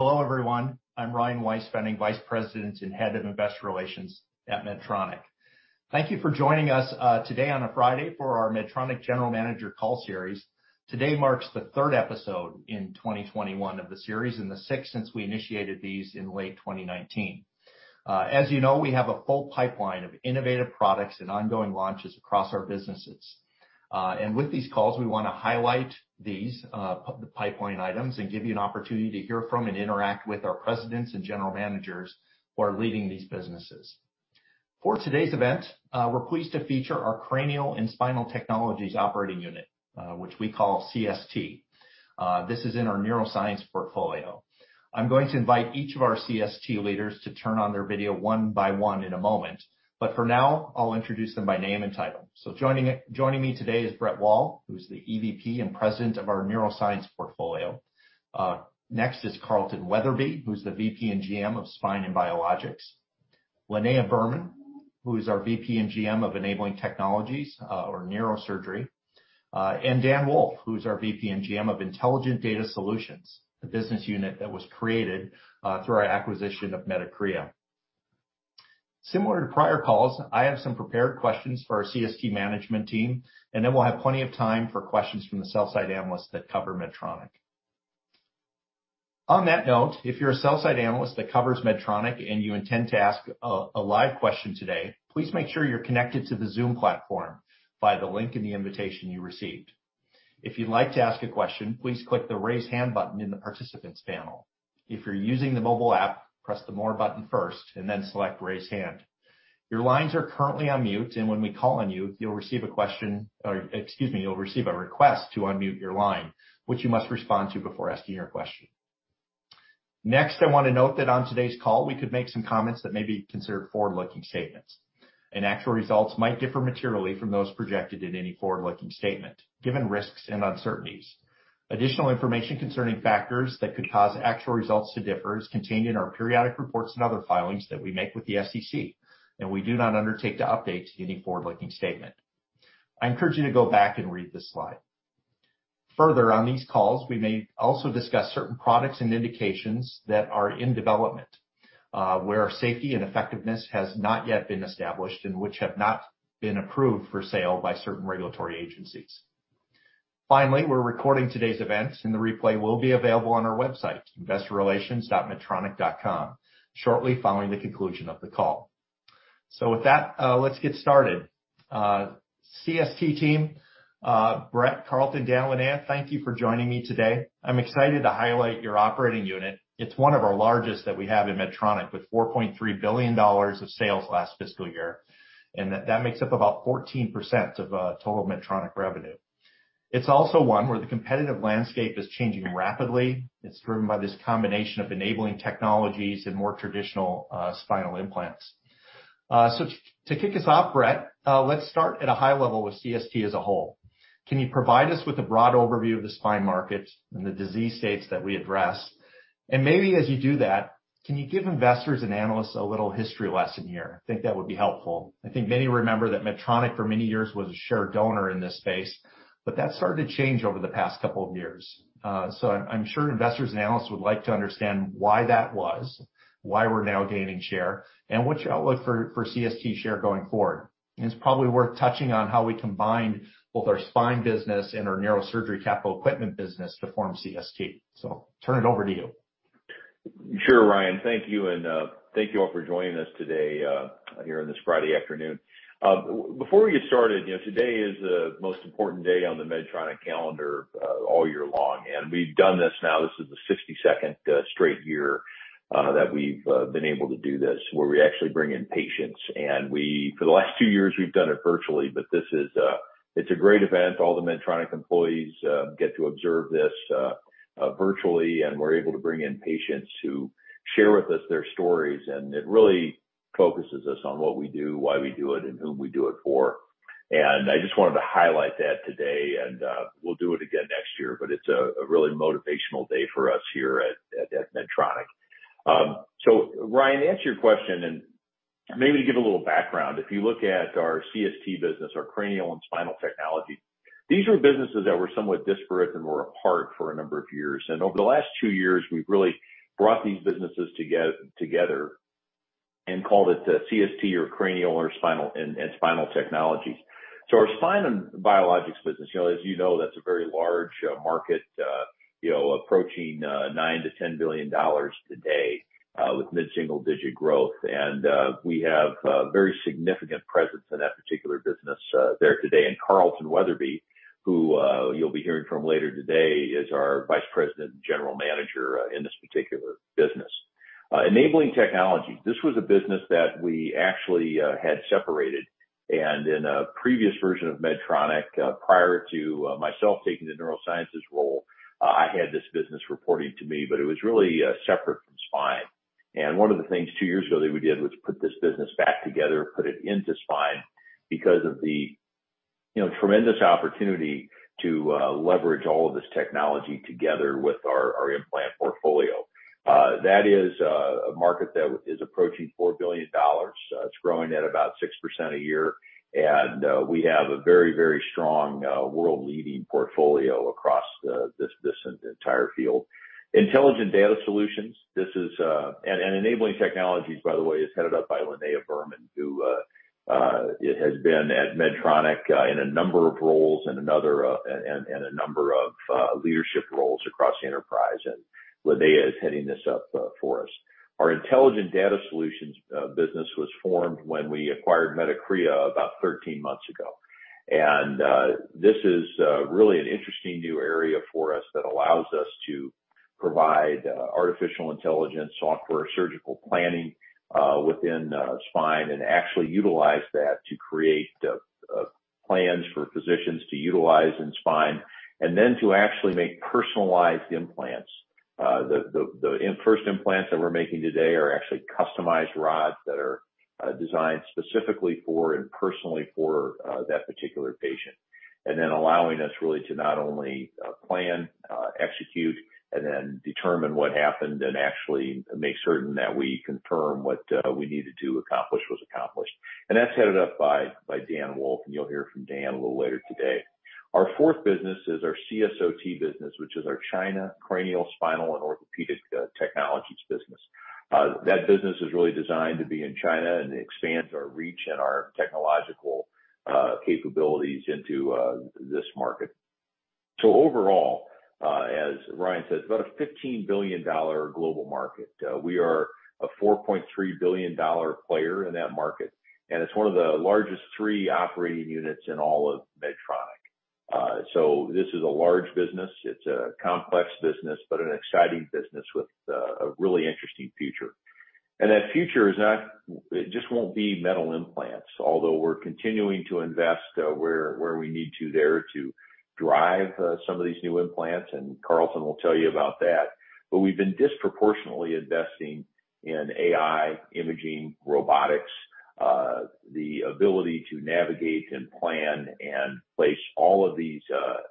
Hello, everyone. I'm Ryan Weispfenning, Vice President and Head of Investor Relations at Medtronic. Thank you for joining us today on a Friday for our Medtronic General Manager call series. Today marks the third episode in 2021 of the series and the sixth since we initiated these in late 2019. As you know, we have a full pipeline of innovative products and ongoing launches across our businesses. With these calls, we wanna highlight these, the pipeline items and give you an opportunity to hear from and interact with our presidents and general managers who are leading these businesses. For today's event, we're pleased to feature our cranial and spinal technologies operating unit, which we call CST. This is in our neuroscience portfolio. I'm going to invite each of our CST leaders to turn on their video one by one in a moment. For now, I'll introduce them by name and title. Joining me today is Brett Wall, who's the EVP and President of our neuroscience portfolio. Next is Carlton Weatherby, who's the VP and GM of Spine & Biologics. Linnea Burman, who is our VP and GM of Enabling Technologies, or Neurosurgery. And Dan Wolf, who's our VP and GM of Intelligent Data Solutions, the business unit that was created through our acquisition of Medicrea. Similar to prior calls, I have some prepared questions for our CST management team, and then we'll have plenty of time for questions from the sell side analysts that cover Medtronic. On that note, if you're a sell-side analyst that covers Medtronic and you intend to ask a live question today, please make sure you're connected to the Zoom platform via the link in the invitation you received. If you'd like to ask a question, please click the Raise Hand button in the Participants panel. If you're using the mobile app, press the More button first and then select Raise Hand. Your lines are currently on mute, and when we call on you'll receive a request to unmute your line, which you must respond to before asking your question. Next, I wanna note that on today's call, we could make some comments that may be considered forward-looking statements, and actual results might differ materially from those projected in any forward-looking statement given risks and uncertainties. Additional information concerning factors that could cause actual results to differ is contained in our periodic reports and other filings that we make with the SEC, and we do not undertake to update any forward-looking statement. I encourage you to go back and read this slide. Further, on these calls, we may also discuss certain products and indications that are in development, where our safety and effectiveness has not yet been established and which have not been approved for sale by certain regulatory agencies. Finally, we're recording today's events, and the replay will be available on our website, investorrelations.medtronic.com, shortly following the conclusion of the call. With that, let's get started. CST team, Brett, Carlton, Dan, Linnea, thank you for joining me today. I'm excited to highlight your operating unit. It's one of our largest that we have in Medtronic with $4.3 billion of sales last fiscal year, and that makes up about 14% of total Medtronic revenue. It's also one where the competitive landscape is changing rapidly. It's driven by this combination of Enabling Technologies and more traditional spinal implants. So to kick us off, Brett, let's start at a high level with CST as a whole. Can you provide us with a broad overview of the spine market and the disease states that we address? And maybe as you do that, can you give investors and analysts a little history lesson here? I think that would be helpful. I think many remember that Medtronic for many years was a share donor in this space, but that started to change over the past couple of years. I'm sure investors and analysts would like to understand why that was, why we're now gaining share, and what's your outlook for CST share going forward. It's probably worth touching on how we combined both our spine business and our neurosurgery capital equipment business to form CST. Turn it over to you. Sure, Ryan. Thank you, and thank you all for joining us today here on this Friday afternoon. Before we get started, you know, today is the most important day on the Medtronic calendar all year long. We've done this now, this is the 62nd straight year that we've been able to do this, where we actually bring in patients. We, for the last two years, we've done it virtually, but this is it's a great event. All the Medtronic employees get to observe this virtually, and we're able to bring in patients who share with us their stories, and it really focuses us on what we do, why we do it, and who we do it for. I just wanted to highlight that today and we'll do it again next year, but it's a really motivational day for us here at Medtronic. So Ryan, to answer your question and maybe to give a little background, if you look at our CST business, our Cranial & Spinal Technologies, these are businesses that were somewhat disparate and were apart for a number of years. Over the last two years, we've really brought these businesses together and called it CST or cranial and spinal technologies. So our Spine & Biologics business, you know, as you know, that's a very large market, you know, approaching $9 billion-$10 billion today with mid-single digit growth. We have a very significant presence in that particular business there today. Carlton Weatherby, who you'll be hearing from later today, is our Vice President and General Manager in this particular business. Enabling Technologies. This was a business that we actually had separated. In a previous version of Medtronic, prior to myself taking the neurosciences role, I had this business reporting to me, but it was really separate from spine. One of the things two years ago that we did was put this business back together, put it into spine because of the, you know, tremendous opportunity to leverage all of this technology together with our implant portfolio. That is a market that is approaching $4 billion. It's growing at about 6% a year, and we have a very strong world-leading portfolio. This entire field. Intelligent Data Solutions. This is Enabling Technologies, by the way, headed up by Linnea Burman, who has been at Medtronic in a number of roles and a number of leadership roles across the enterprise. Linnea is heading this up for us. Our Intelligent Data Solutions business was formed when we acquired Medicrea about 13 months ago. This is really an interesting new area for us that allows us to provide artificial intelligence software surgical planning within spine and actually utilize that to create plans for physicians to utilize in spine. Then to actually make personalized implants. The first implants that we're making today are actually customized rods that are designed specifically for and personally for that particular patient. allowing us really to not only plan, execute, and then determine what happened and actually make certain that we confirm what we needed to accomplish was accomplished. That's headed up by Dan Wolf, and you'll hear from Dan a little later today. Our fourth business is our CSOT business, which is our China Cranial, Spinal and Orthopedic Technologies business. That business is really designed to be in China, and it expands our reach and our technological capabilities into this market. Overall, as Ryan said, about a $15 billion global market. We are a $4.3 billion player in that market, and it's one of the largest three operating units in all of Medtronic. This is a large business. It's a complex business, but an exciting business with a really interesting future. That future just won't be metal implants, although we're continuing to invest where we need to there to drive some of these new implants, and Carlton will tell you about that. We've been disproportionately investing in AI, imaging, robotics, the ability to navigate and plan and place all of these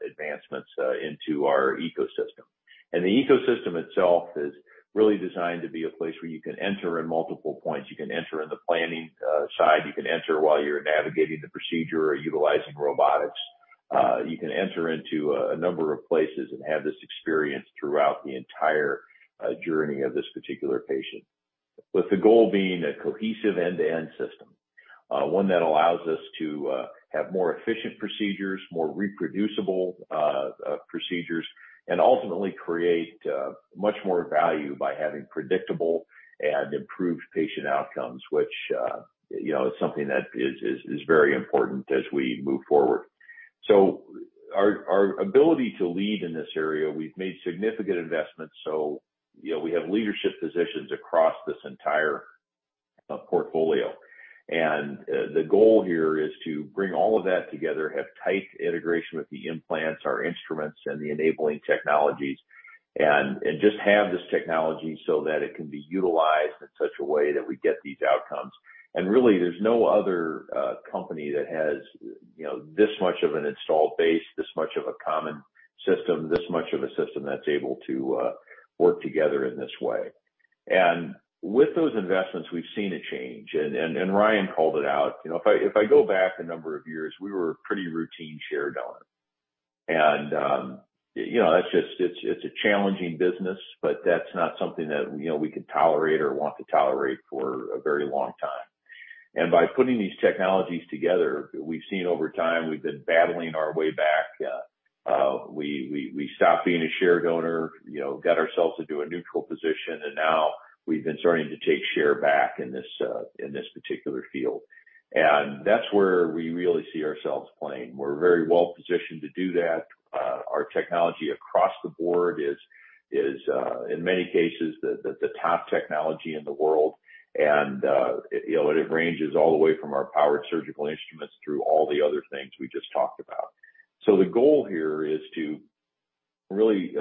advancements into our ecosystem. The ecosystem itself is really designed to be a place where you can enter in multiple points. You can enter in the planning side, you can enter while you're navigating the procedure or utilizing robotics. You can enter into a number of places and have this experience throughout the entire journey of this particular patient. With the goal being a cohesive end-to-end system. One that allows us to have more efficient procedures, more reproducible procedures, and ultimately create much more value by having predictable and improved patient outcomes, which you know is something that is very important as we move forward. Our ability to lead in this area, we've made significant investments, so you know we have leadership positions across this entire portfolio. The goal here is to bring all of that together, have tight integration with the implants, our instruments, and the Enabling Technologies, and just have this technology so that it can be utilized in such a way that we get these outcomes. Really, there's no other company that has, you know, this much of an installed base, this much of a common system, this much of a system that's able to work together in this way. With those investments, we've seen a change. Ryan called it out. You know, if I go back a number of years, we were a pretty routine share donor. You know, that's just a challenging business, but that's not something that, you know, we could tolerate or want to tolerate for a very long time. By putting these technologies together, we've seen over time we've been battling our way back. We stopped being a share donor, you know, got ourselves into a neutral position, and now we've been starting to take share back in this particular field. That's where we really see ourselves playing. We're very well positioned to do that. Our technology across the board is in many cases the top technology in the world. You know, it ranges all the way from our powered surgical instruments through all the other things we just talked about. The goal here is to really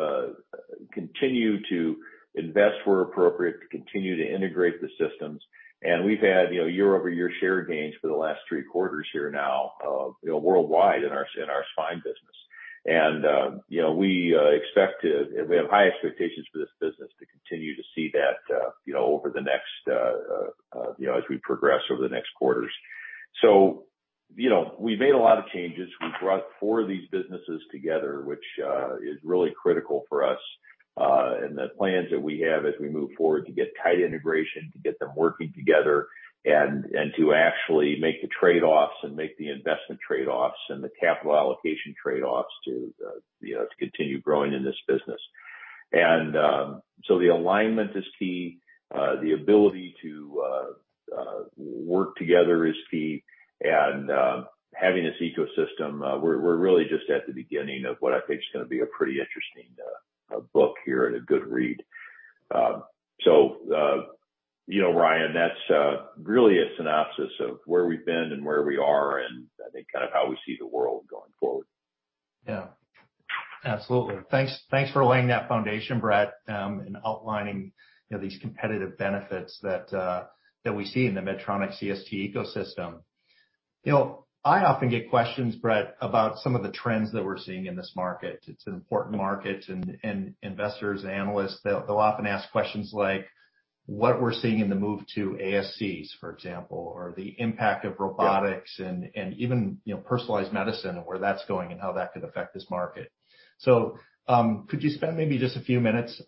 continue to invest where appropriate, to continue to integrate the systems. We've had year-over-year share gains for the last three quarters here now, you know, worldwide in our spine business. We expect to... We have high expectations for this business to continue to see that, you know, over the next, as we progress over the next quarters. You know, we've made a lot of changes. We've brought four of these businesses together, which is really critical for us, and the plans that we have as we move forward to get tight integration, to get them working together and to actually make the trade-offs and make the investment trade-offs and the capital allocation trade-offs to, you know, to continue growing in this business. The alignment is key. The ability to work together is key. Having this ecosystem, we're really just at the beginning of what I think is gonna be a pretty interesting book here and a good read. You know, Ryan, that's really a synopsis of where we've been and where we are, and I think kind of how we see the world going forward. Yeah. Absolutely. Thanks for laying that foundation, Brett, and outlining, you know, these competitive benefits that we see in the Medtronic CST ecosystem. You know, I often get questions, Brett, about some of the trends that we're seeing in this market. It's an important market, and investors and analysts, they'll often ask questions like what we're seeing in the move to ASCs, for example, or the impact of robotics and even, you know, personalized medicine and where that's going and how that could affect this market. Could you spend maybe just a few minutes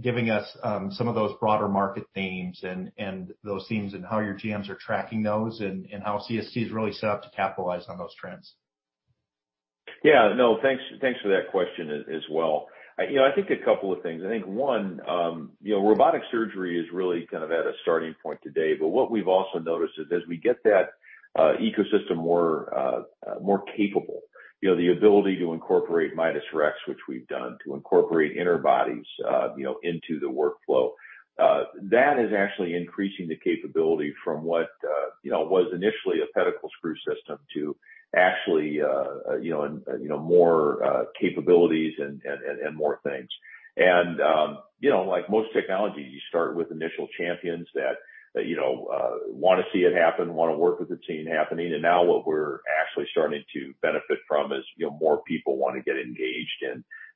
giving us some of those broader market themes and those themes and how your GMs are tracking those and how CST is really set up to capitalize on those trends? Yeah, no. Thanks for that question as well. You know, I think a couple of things. I think one, you know, robotic surgery is really kind of at a starting point today. What we've also noticed is as we get that ecosystem more capable, you know, the ability to incorporate Midas Rex, which we've done, to incorporate interbodies, you know, into the workflow, that is actually increasing the capability from what you know was initially a pedicle screw system to actually you know and more capabilities and more things. Like most technologies, you start with initial champions that you know wanna see it happen, wanna work with the team happening. Now what we're actually starting to benefit from is, you know, more people wanna get engaged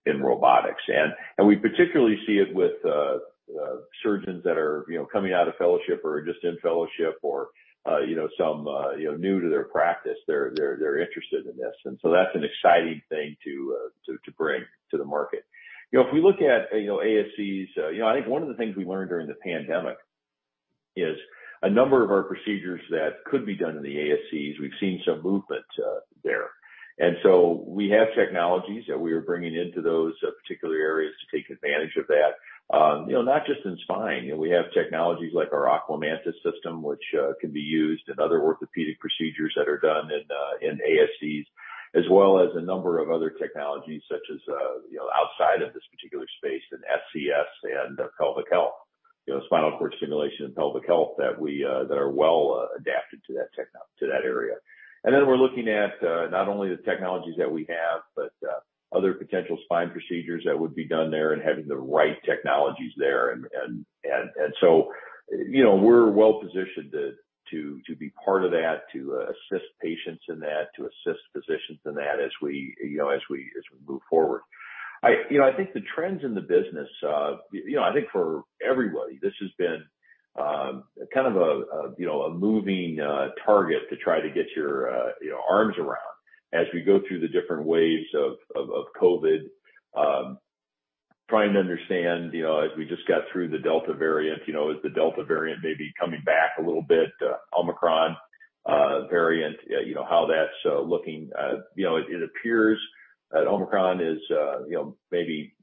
in robotics. We particularly see it with surgeons that are, you know, coming out of fellowship or just in fellowship or, you know, some new to their practice. They're interested in this. That's an exciting thing to bring to the market. You know, if we look at ASCs, you know, I think one of the things we learned during the pandemic is a number of our procedures that could be done in the ASCs, we've seen some movement there. We have technologies that we are bringing into those particular areas to take advantage of that. You know, not just in spine. You know, we have technologies like our Aquamantys system, which can be used in other orthopedic procedures that are done in ASCs, as well as a number of other technologies such as, you know, outside of this particular space in SCS and pelvic health. You know, spinal cord stimulation and pelvic health that are well adapted to that area. We're looking at not only the technologies that we have, but other potential spine procedures that would be done there and having the right technologies there. So, you know, we're well positioned to be part of that, to assist patients in that, to assist physicians in that as we move forward. You know, I think the trends in the business. You know, I think for everybody, this has been kind of a moving target to try to get your arms around as we go through the different waves of COVID. Trying to understand, you know, as we just got through the Delta variant, you know, is the Delta variant maybe coming back a little bit? Omicron variant, you know, how that's looking. You know, it appears that Omicron is, you know, maybe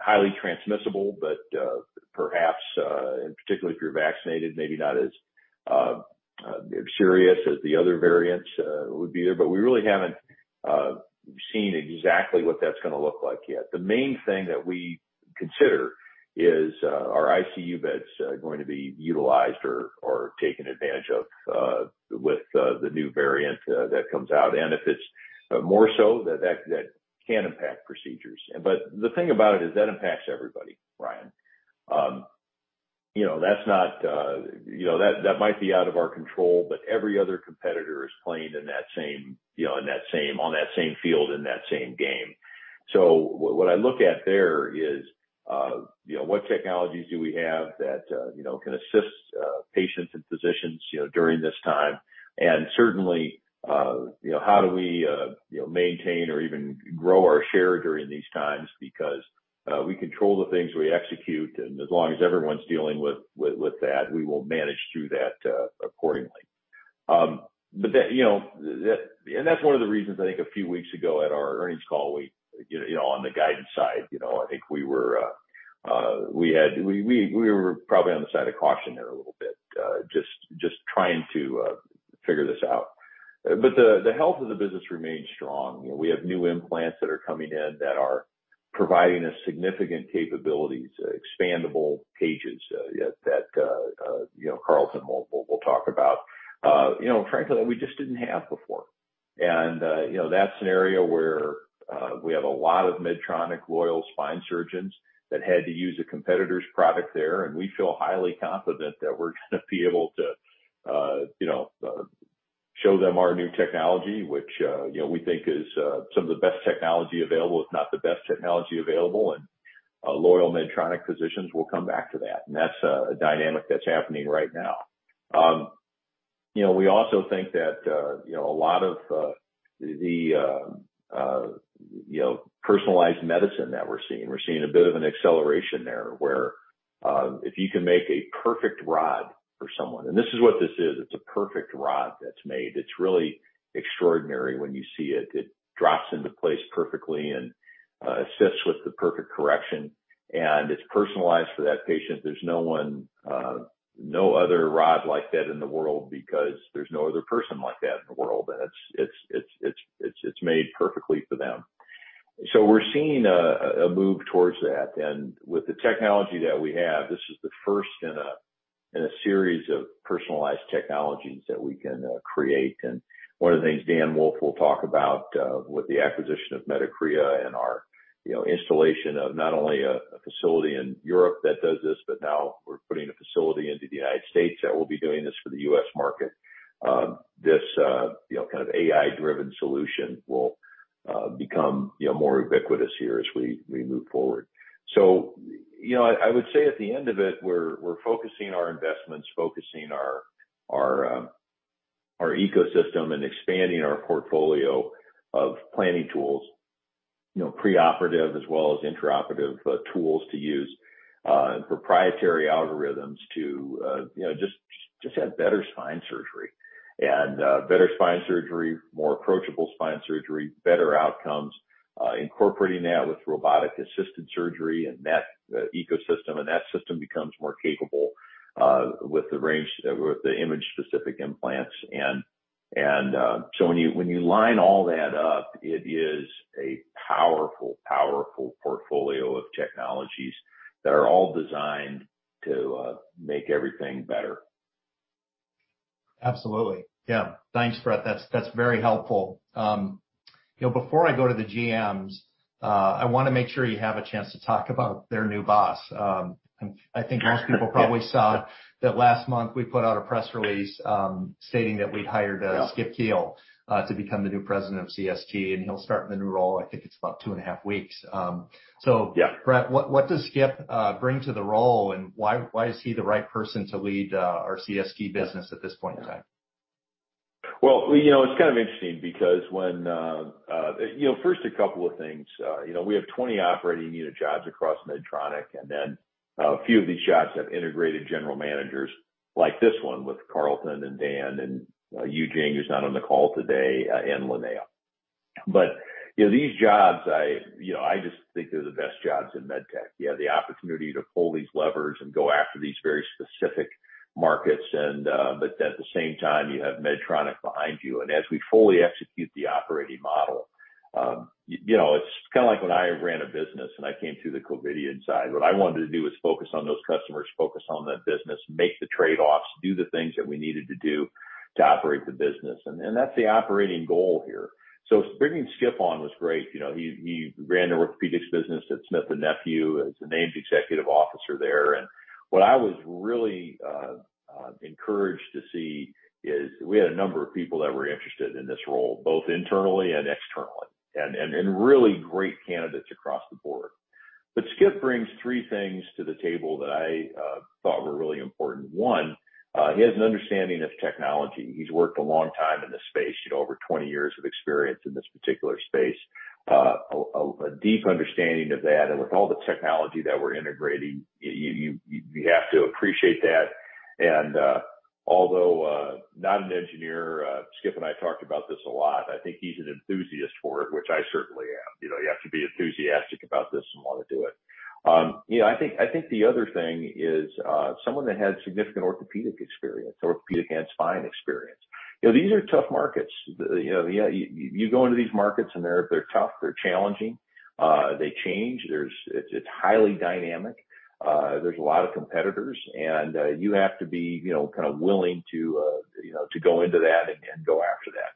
highly transmissible, but perhaps, and particularly if you're vaccinated, maybe not as serious as the other variants would be there. We really haven't seen exactly what that's gonna look like yet. The main thing that we consider is, are ICU beds going to be utilized or taken advantage of with the new variant that comes out? If it's more so, that can impact procedures. The thing about it is that impacts everybody, Ryan. You know, that's not you know, that might be out of our control, but every other competitor is playing in that same field, in that same game. What I look at there is you know, what technologies do we have that you know, can assist patients and physicians you know, during this time? Certainly you know, how do we you know, maintain or even grow our share during these times? Because we control the things we execute, and as long as everyone's dealing with that, we will manage through that accordingly. That's one of the reasons I think a few weeks ago at our earnings call, we, you know, on the guidance side, you know, I think we were probably on the side of caution there a little bit, just trying to figure this out. The health of the business remains strong. You know, we have new implants that are coming in that are providing us significant capabilities, expandable cages that, you know, Carlton will talk about, you know, frankly, that we just didn't have before. You know, that's an area where we have a lot of Medtronic loyal spine surgeons that had to use a competitor's product there, and we feel highly confident that we're gonna be able to you know show them our new technology, which you know we think is some of the best technology available, if not the best technology available. Loyal Medtronic physicians will come back to that. That's a dynamic that's happening right now. You know, we also think that you know a lot of the personalized medicine that we're seeing, we're seeing a bit of an acceleration there, where if you can make a perfect rod for someone. This is what this is. It's a perfect rod that's made. It's really extraordinary when you see it. It drops into place perfectly and assists with the perfect correction. It's personalized for that patient. There's no one, no other rod like that in the world because there's no other person like that in the world. It's made perfectly for them. We're seeing a move towards that. With the technology that we have, this is the first in a series of personalized technologies that we can create. One of the things Dan Wolf will talk about with the acquisition of Medicrea and our, you know, installation of not only a facility in Europe that does this, but now we're putting a facility into the United States that will be doing this for the U.S. market. This, you know, kind of AI-driven solution will become, you know, more ubiquitous here as we move forward. You know, I would say at the end of it, we're focusing our investments, focusing our ecosystem and expanding our portfolio of planning tools, you know, preoperative as well as intraoperative tools to use, and proprietary algorithms to, you know, just have better spine surgery, more approachable spine surgery, better outcomes, incorporating that with robotic-assisted surgery and that ecosystem, and that system becomes more capable with the image-specific implants. When you line all that up, it is a powerful portfolio of technologies that are all designed to make everything better. Absolutely. Yeah. Thanks, Brett. That's very helpful. You know, before I go to the GMs, I wanna make sure you have a chance to talk about their new boss. I think most people probably saw that last month we put out a press release, stating that we'd hired Skip Kiil to become the new president of CST, and he'll start in the new role, I think it's about two and a half weeks. Yeah. Brett, what does Skip bring to the role, and why is he the right person to lead our CST business at this point in time? Well, you know, it's kind of interesting because when you know, first a couple of things. You know, we have 20 operating unit jobs across Medtronic, and then a few of these jobs have integrated general managers like this one with Carlton and Dan and Eugene, who's not on the call today, and Linnea. But, you know, these jobs, you know, I just think they're the best jobs in MedTech. You have the opportunity to pull these levers and go after these very specific markets and, but at the same time you have Medtronic behind you. As we fully execute the operating model, you know, it's kinda like when I ran a business and I came to the Covidien side. What I wanted to do was focus on those customers, focus on that business, make the trade-offs, do the things that we needed to do to operate the business. That's the operating goal here. Bringing Skip on was great. You know, he ran the orthopedics business at Smith & Nephew as the named executive officer there. What I was really encouraged to see is we had a number of people that were interested in this role, both internally and externally, and really great candidates across the board. Skip brings three things to the table that I thought were really important. One, he has an understanding of technology. He's worked a long time in this space, you know, over 20 years of experience in this particular space. A deep understanding of that. With all the technology that we're integrating, you have to appreciate that. Although not an engineer, Skip and I talked about this a lot, I think he's an enthusiast for it, which I certainly am. You know, you have to be enthusiastic about this and wanna do it. You know, I think the other thing is, someone that has significant orthopedic experience or orthopedic and spine experience. You know, these are tough markets. You know, yeah, you go into these markets, and they're tough. They're challenging. They change. It's highly dynamic. There's a lot of competitors. You have to be, you know, kind of willing to, you know, to go into that and go after that.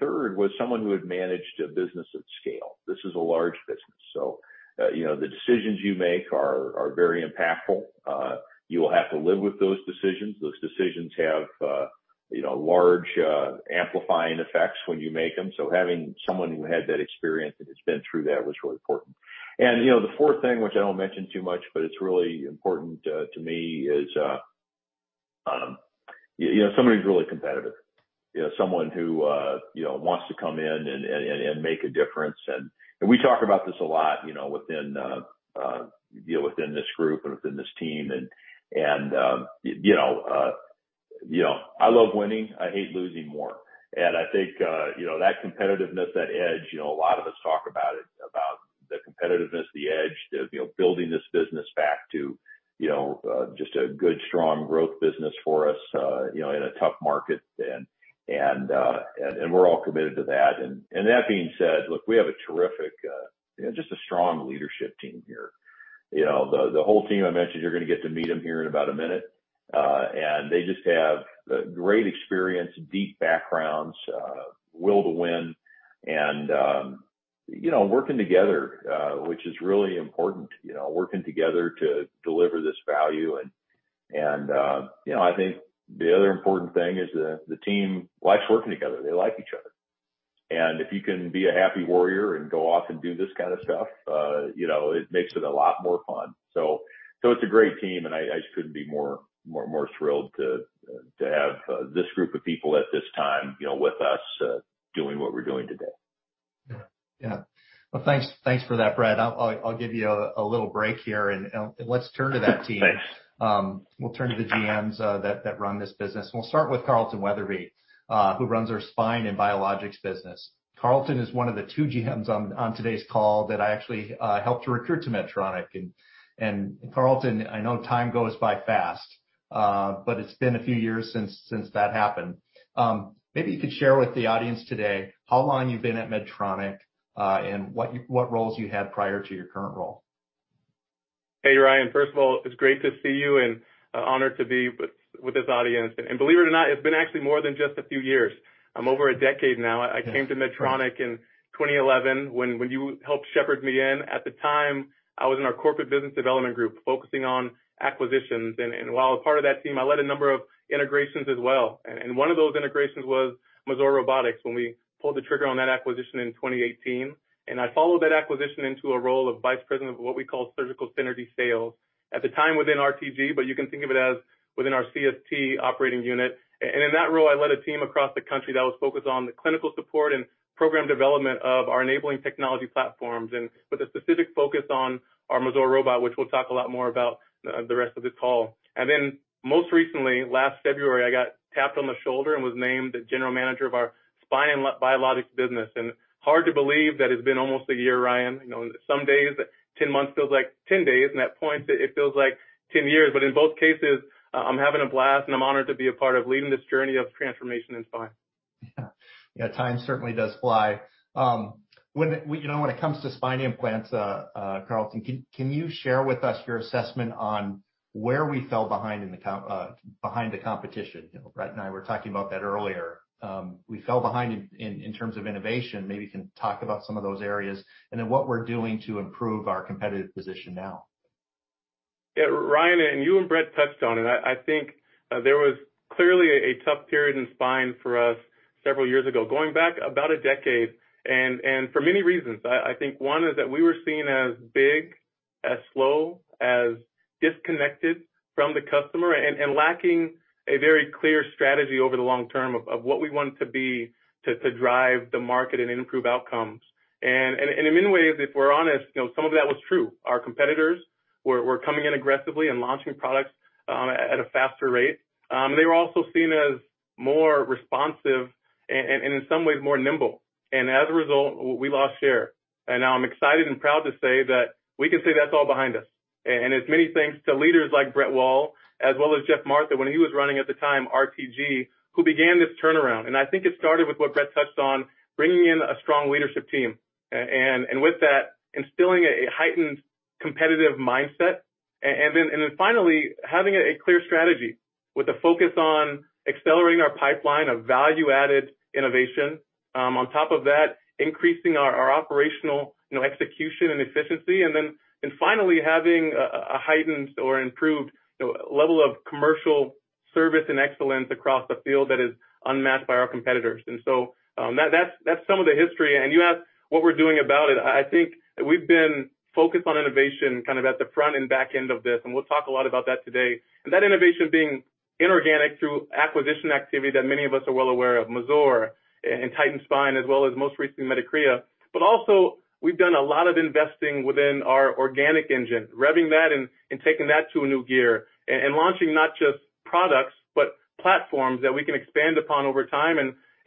Third was someone who had managed a business at scale. This is a large business, so you know, the decisions you make are very impactful. You will have to live with those decisions. Those decisions have you know, large amplifying effects when you make them. Having someone who had that experience and has been through that was really important. You know, the fourth thing, which I won't mention too much, but it's really important to me, is you know, somebody who's really competitive. You know, someone who you know, wants to come in and make a difference. We talk about this a lot, you know, within you know, within this group and within this team. You know, you know, I love winning. I hate losing more. I think, you know, that competitiveness, that edge, you know, a lot of us talk about it, about the competitiveness, the edge, the, you know, building this business back to, you know, just a good, strong growth business for us, you know, in a tough market. We're all committed to that. That being said, look, we have a terrific, you know, just a strong leadership team here. You know, the whole team I mentioned, you're gonna get to meet them here in about a minute. They just have great experience, deep backgrounds, will to win and, you know, working together, which is really important, you know. Working together to deliver this value. You know, I think the other important thing is the team likes working together. They like each other. If you can be a happy warrior and go off and do this kind of stuff, you know, it makes it a lot more fun. It's a great team, and I couldn't be more thrilled to have this group of people at this time, you know, with us doing what we're doing today. Yeah. Yeah. Well, thanks for that, Brett. I'll give you a little break here, let's turn to that team. Thanks. We'll turn to the GMs that run this business. We'll start with Carlton Weatherby, who runs our spine and biologics business. Carlton is one of the two GMs on today's call that I actually helped to recruit to Medtronic. Carlton, I know time goes by fast, but it's been a few years since that happened. Maybe you could share with the audience today how long you've been at Medtronic, and what roles you had prior to your current role. Hey, Ryan. First of all, it's great to see you and honored to be with this audience. Believe it or not, it's been actually more than just a few years. I'm over a decade now. I came to Medtronic in 2011 when you helped shepherd me in. At the time, I was in our corporate business development group focusing on acquisitions. While I was part of that team, I led a number of integrations as well. One of those integrations was Mazor Robotics when we pulled the trigger on that acquisition in 2018. I followed that acquisition into a role of vice president of what we call surgical synergy sales. At the time, within RTG, but you can think of it as within our CST operating unit. In that role, I led a team across the country that was focused on the clinical support and program development of our enabling technology platforms and with a specific focus on our Mazor robot, which we'll talk a lot more about the rest of this call. Then most recently, last February, I got tapped on the shoulder and was named the general manager of our spine and biologics business. Hard to believe that it's been almost a year, Ryan. You know, some days 10 months feels like 10 days, and at points it feels like 10 years. In both cases, I'm having a blast, and I'm honored to be a part of leading this journey of transformation in spine. Yeah. Yeah, time certainly does fly. You know, when it comes to spine implants, Carlton, can you share with us your assessment on where we fell behind in the competition? You know, Brett and I were talking about that earlier. We fell behind in terms of innovation. Maybe you can talk about some of those areas and then what we're doing to improve our competitive position now. Yeah, Ryan, and you and Brett touched on it. I think there was clearly a tough period in Spine for us several years ago, going back about a decade, and for many reasons. I think one is that we were seen as big, as slow, as disconnected from the customer and lacking a very clear strategy over the long term of what we want to be to drive the market and improve outcomes. In many ways, if we're honest, you know, some of that was true. Our competitors were coming in aggressively and launching products at a faster rate. They were also seen as more responsive and in some ways more nimble. As a result, we lost share. Now I'm excited and proud to say that we can say that's all behind us. It's many thanks to leaders like Brett Wall as well as Geoff Martha when he was running at the time, RTG, who began this turnaround. I think it started with what Brett touched on, bringing in a strong leadership team. With that, instilling a heightened competitive mindset and then finally having a clear strategy with a focus on accelerating our pipeline of value-added innovation. On top of that, increasing our operational execution and efficiency. Then finally having a heightened or improved level of commercial service and excellence across the field that is unmatched by our competitors. That's some of the history. You asked what we're doing about it. I think we've been focused on innovation kind of at the front and back end of this, and we'll talk a lot about that today. That innovation being inorganic through acquisition activity that many of us are well aware of, Mazor and Titan Spine, as well as most recently Medicrea. Also we've done a lot of investing within our organic engine, revving that and taking that to a new gear and launching not just products, but platforms that we can expand upon over time,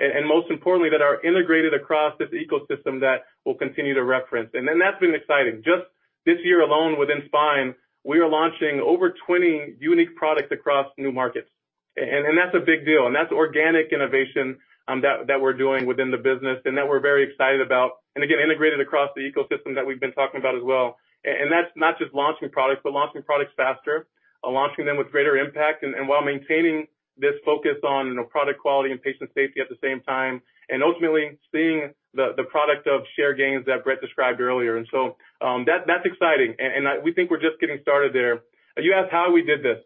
and most importantly, that are integrated across this ecosystem that we'll continue to reference. Then that's been exciting. Just this year alone, within Spine, we are launching over 20 unique products across new markets. That's a big deal, and that's organic innovation, that we're doing within the business and that we're very excited about. Again, integrated across the ecosystem that we've been talking about as well. That's not just launching products, but launching products faster, launching them with greater impact and while maintaining this focus on, you know, product quality and patient safety at the same time, and ultimately seeing the product of share gains that Brett described earlier. That's exciting. We think we're just getting started there. You asked how we did this,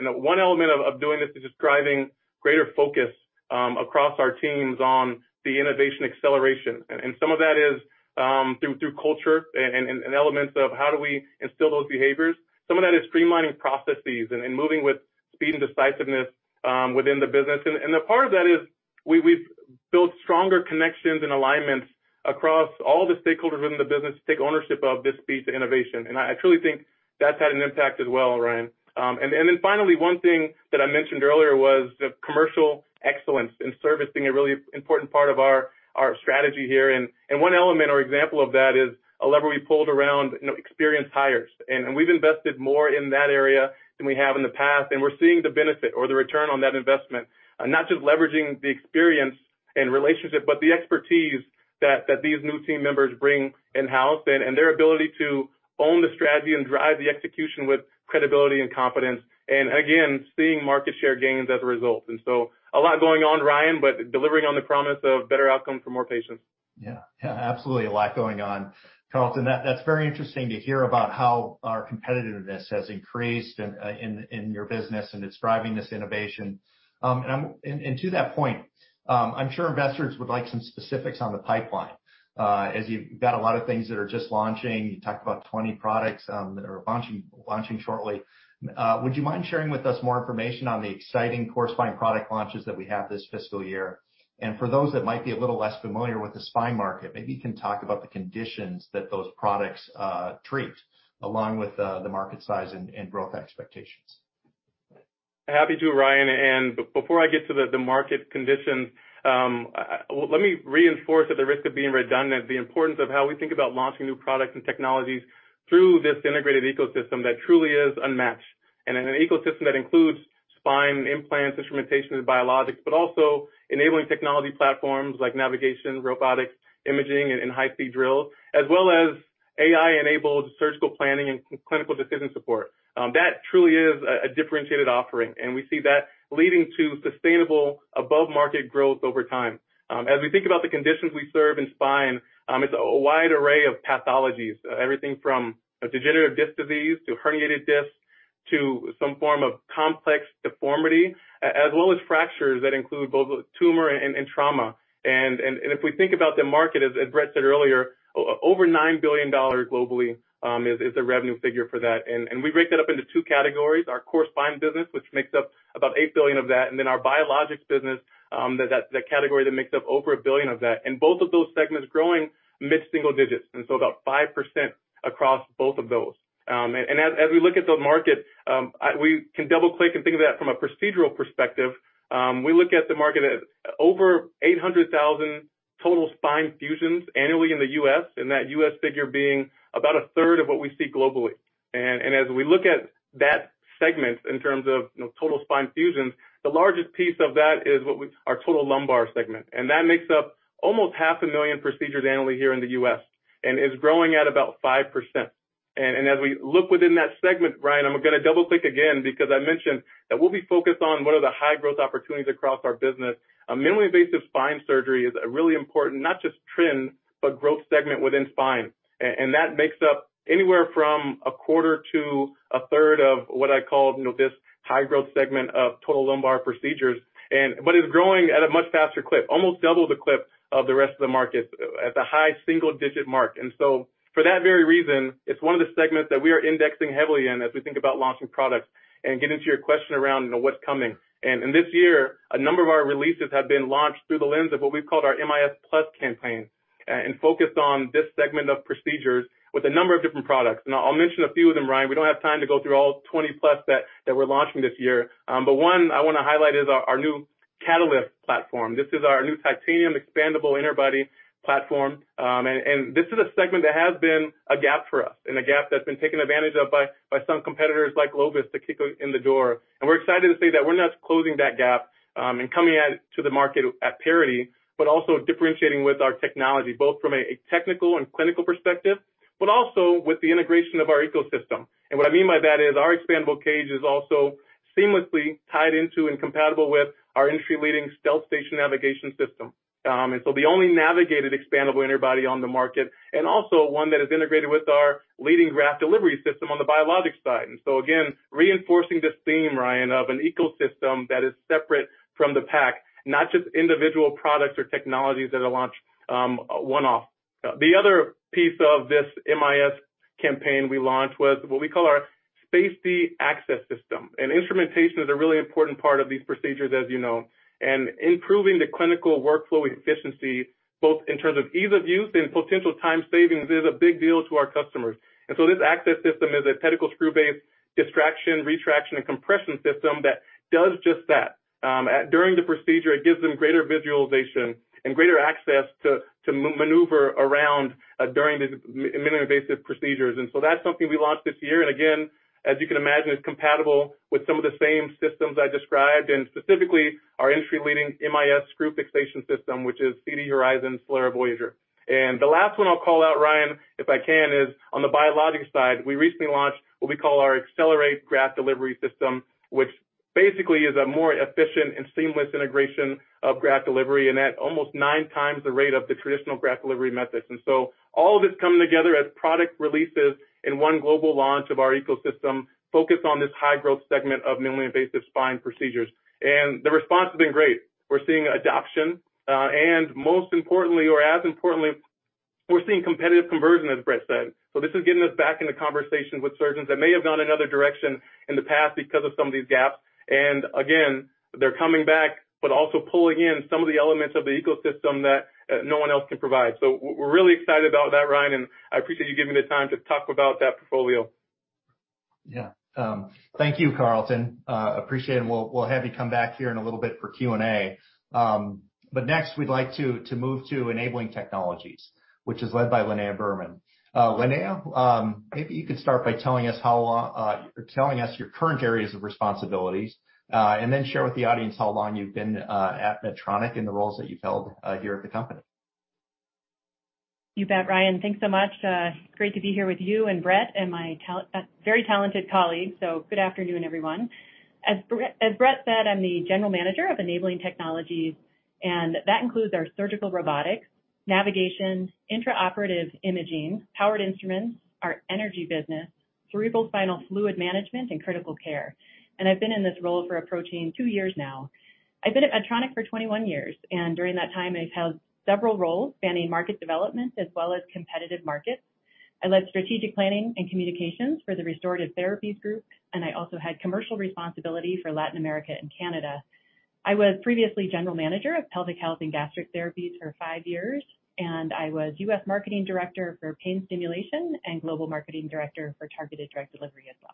one element of doing this is just driving greater focus across our teams on the innovation acceleration. Some of that is through culture and elements of how do we instill those behaviors. Some of that is streamlining processes and moving with speed and decisiveness within the business. A part of that is we've built stronger connections and alignments across all the stakeholders within the business to take ownership of this piece of innovation. I truly think that's had an impact as well, Ryan. Then finally, one thing that I mentioned earlier was the commercial excellence and service being a really important part of our strategy here. One element or example of that is a lever we pulled around, you know, experienced hires. We've invested more in that area than we have in the past, and we're seeing the benefit or the return on that investment. Not just leveraging the experience and relationship, but the expertise that these new team members bring in-house and their ability to own the strategy and drive the execution with credibility and confidence, and again, seeing market share gains as a result. A lot going on, Ryan, but delivering on the promise of better outcomes for more patients. Yeah. Yeah, absolutely a lot going on. Carlton, that's very interesting to hear about how our competitiveness has increased in your business and it's driving this innovation. To that point, I'm sure investors would like some specifics on the pipeline. As you've got a lot of things that are just launching. You talked about 20 products that are launching shortly. Would you mind sharing with us more information on the exciting core spine product launches that we have this fiscal year? For those that might be a little less familiar with the spine market, maybe you can talk about the conditions that those products treat, along with the market size and growth expectations. Happy to, Ryan. Before I get to the market conditions, let me reinforce at the risk of being redundant, the importance of how we think about launching new products and technologies through this integrated ecosystem that truly is unmatched. In an ecosystem that includes spine implants, instrumentation and biologics, but also enabling technology platforms like navigation, robotics, imaging and high-speed drill, as well as AI-enabled surgical planning and clinical decision support. That truly is a differentiated offering, and we see that leading to sustainable above-market growth over time. As we think about the conditions we serve in spine, it's a wide array of pathologies, everything from degenerative disc disease to herniated discs to some form of complex deformity as well as fractures that include both tumor and trauma. If we think about the market, as Brett said earlier, over $9 billion globally is the revenue figure for that. We break that up into two categories, our core Spine business, which makes up about $8 billion of that, and then our Biologics business, that category that makes up over $1 billion of that. Both of those segments growing mid-single digits, about 5% across both of those. We look at the market, we can double-click and think of that from a procedural perspective. We look at the market as over 800,000 total spine fusions annually in the U.S., and that U.S. figure being about a third of what we see globally. As we look at that segment in terms of, you know, total spine fusions, the largest piece of that is our total lumbar segment. That makes up almost 500,000 procedures annually here in the U.S. and is growing at about 5%. As we look within that segment, Ryan, I'm gonna double-click again because I mentioned that we'll be focused on what are the high-growth opportunities across our business. A minimally invasive spine surgery is a really important not just trend, but growth segment within spine. And that makes up anywhere from a quarter to a third of what I call, you know, this high-growth segment of total lumbar procedures. But it's growing at a much faster clip, almost double the clip of the rest of the market at the high single-digit mark. For that very reason, it's one of the segments that we are indexing heavily in as we think about launching products and getting to your question around, you know, what's coming. In this year, a number of our releases have been launched through the lens of what we've called our MIS+ campaign, and focused on this segment of procedures with a number of different products. I'll mention a few of them, Ryan. We don't have time to go through all 20+ that we're launching this year. But one I wanna highlight is our new Catalyst platform. This is our new titanium expandable interbody platform. And this is a segment that has been a gap for us, and a gap that's been taken advantage of by some competitors like Globus to kick in the door. We're excited to say that we're not just closing that gap, and coming to the market at parity, but also differentiating with our technology, both from a technical and clinical perspective, but also with the integration of our ecosystem, the only navigated expandable interbody on the market, and also one that is integrated with our leading graft delivery system on the biologics side. What I mean by that is our expandable cage is also seamlessly tied into and compatible with our industry-leading StealthStation navigation system. Again, reinforcing this theme, Ryan, of an ecosystem that is separate from the pack, not just individual products or technologies that are launched, one-off. The other piece of this MIS campaign we launched was what we call our SpaceD access system. Instrumentation is a really important part of these procedures, as you know. Improving the clinical workflow efficiency, both in terms of ease of use and potential time savings, is a big deal to our customers. This access system is a pedicle screw-based distraction, retraction, and compression system that does just that. During the procedure, it gives them greater visualization and greater access to maneuver around during these minimally invasive procedures. That's something we launched this year. Again, as you can imagine, it's compatible with some of the same systems I described, and specifically our industry-leading MIS screw fixation system, which is CD Horizon Solera Voyager. The last one I'll call out, Ryan, if I can, is on the biologics side. We recently launched what we call our Accelerate Graft Delivery System, which basically is a more efficient and seamless integration of graft delivery, and at almost nine times the rate of the traditional graft delivery methods. All of this coming together as product releases in one global launch of our ecosystem focused on this high growth segment of minimally invasive spine procedures. The response has been great. We're seeing adoption, and most importantly or as importantly, we're seeing competitive conversion, as Brett said. This is getting us back in the conversation with surgeons that may have gone another direction in the past because of some of these gaps. Again, they're coming back, but also pulling in some of the elements of the ecosystem that, no one else can provide. We're really excited about that, Ryan, and I appreciate you giving me the time to talk about that portfolio. Yeah. Thank you, Carlton. Appreciate it, and we'll have you come back here in a little bit for Q&A. Next we'd like to move to Enabling Technologies, which is led by Linnea Burman. Linnea, maybe you could start by telling us your current areas of responsibilities, and then share with the audience how long you've been at Medtronic and the roles that you've held here at the company. You bet, Ryan. Thanks so much. Great to be here with you and Brett and my very talented colleagues. Good afternoon, everyone. As Brett said, I'm the General Manager of Enabling Technologies, and that includes our surgical robotics, navigation, intraoperative imaging, powered instruments, our energy business, cerebrospinal fluid management, and critical care. I've been in this role for approaching two years now. I've been at Medtronic for 21 years, and during that time, I've held several roles spanning market development as well as competitive markets. I led strategic planning and communications for the Restorative Therapies Group, and I also had commercial responsibility for Latin America and Canada. I was previously General Manager of Pelvic Health and Gastric Therapies for five years, and I was U.S. Marketing Director for Pain Stim and Global Marketing Director for Targeted Drug Delivery as well.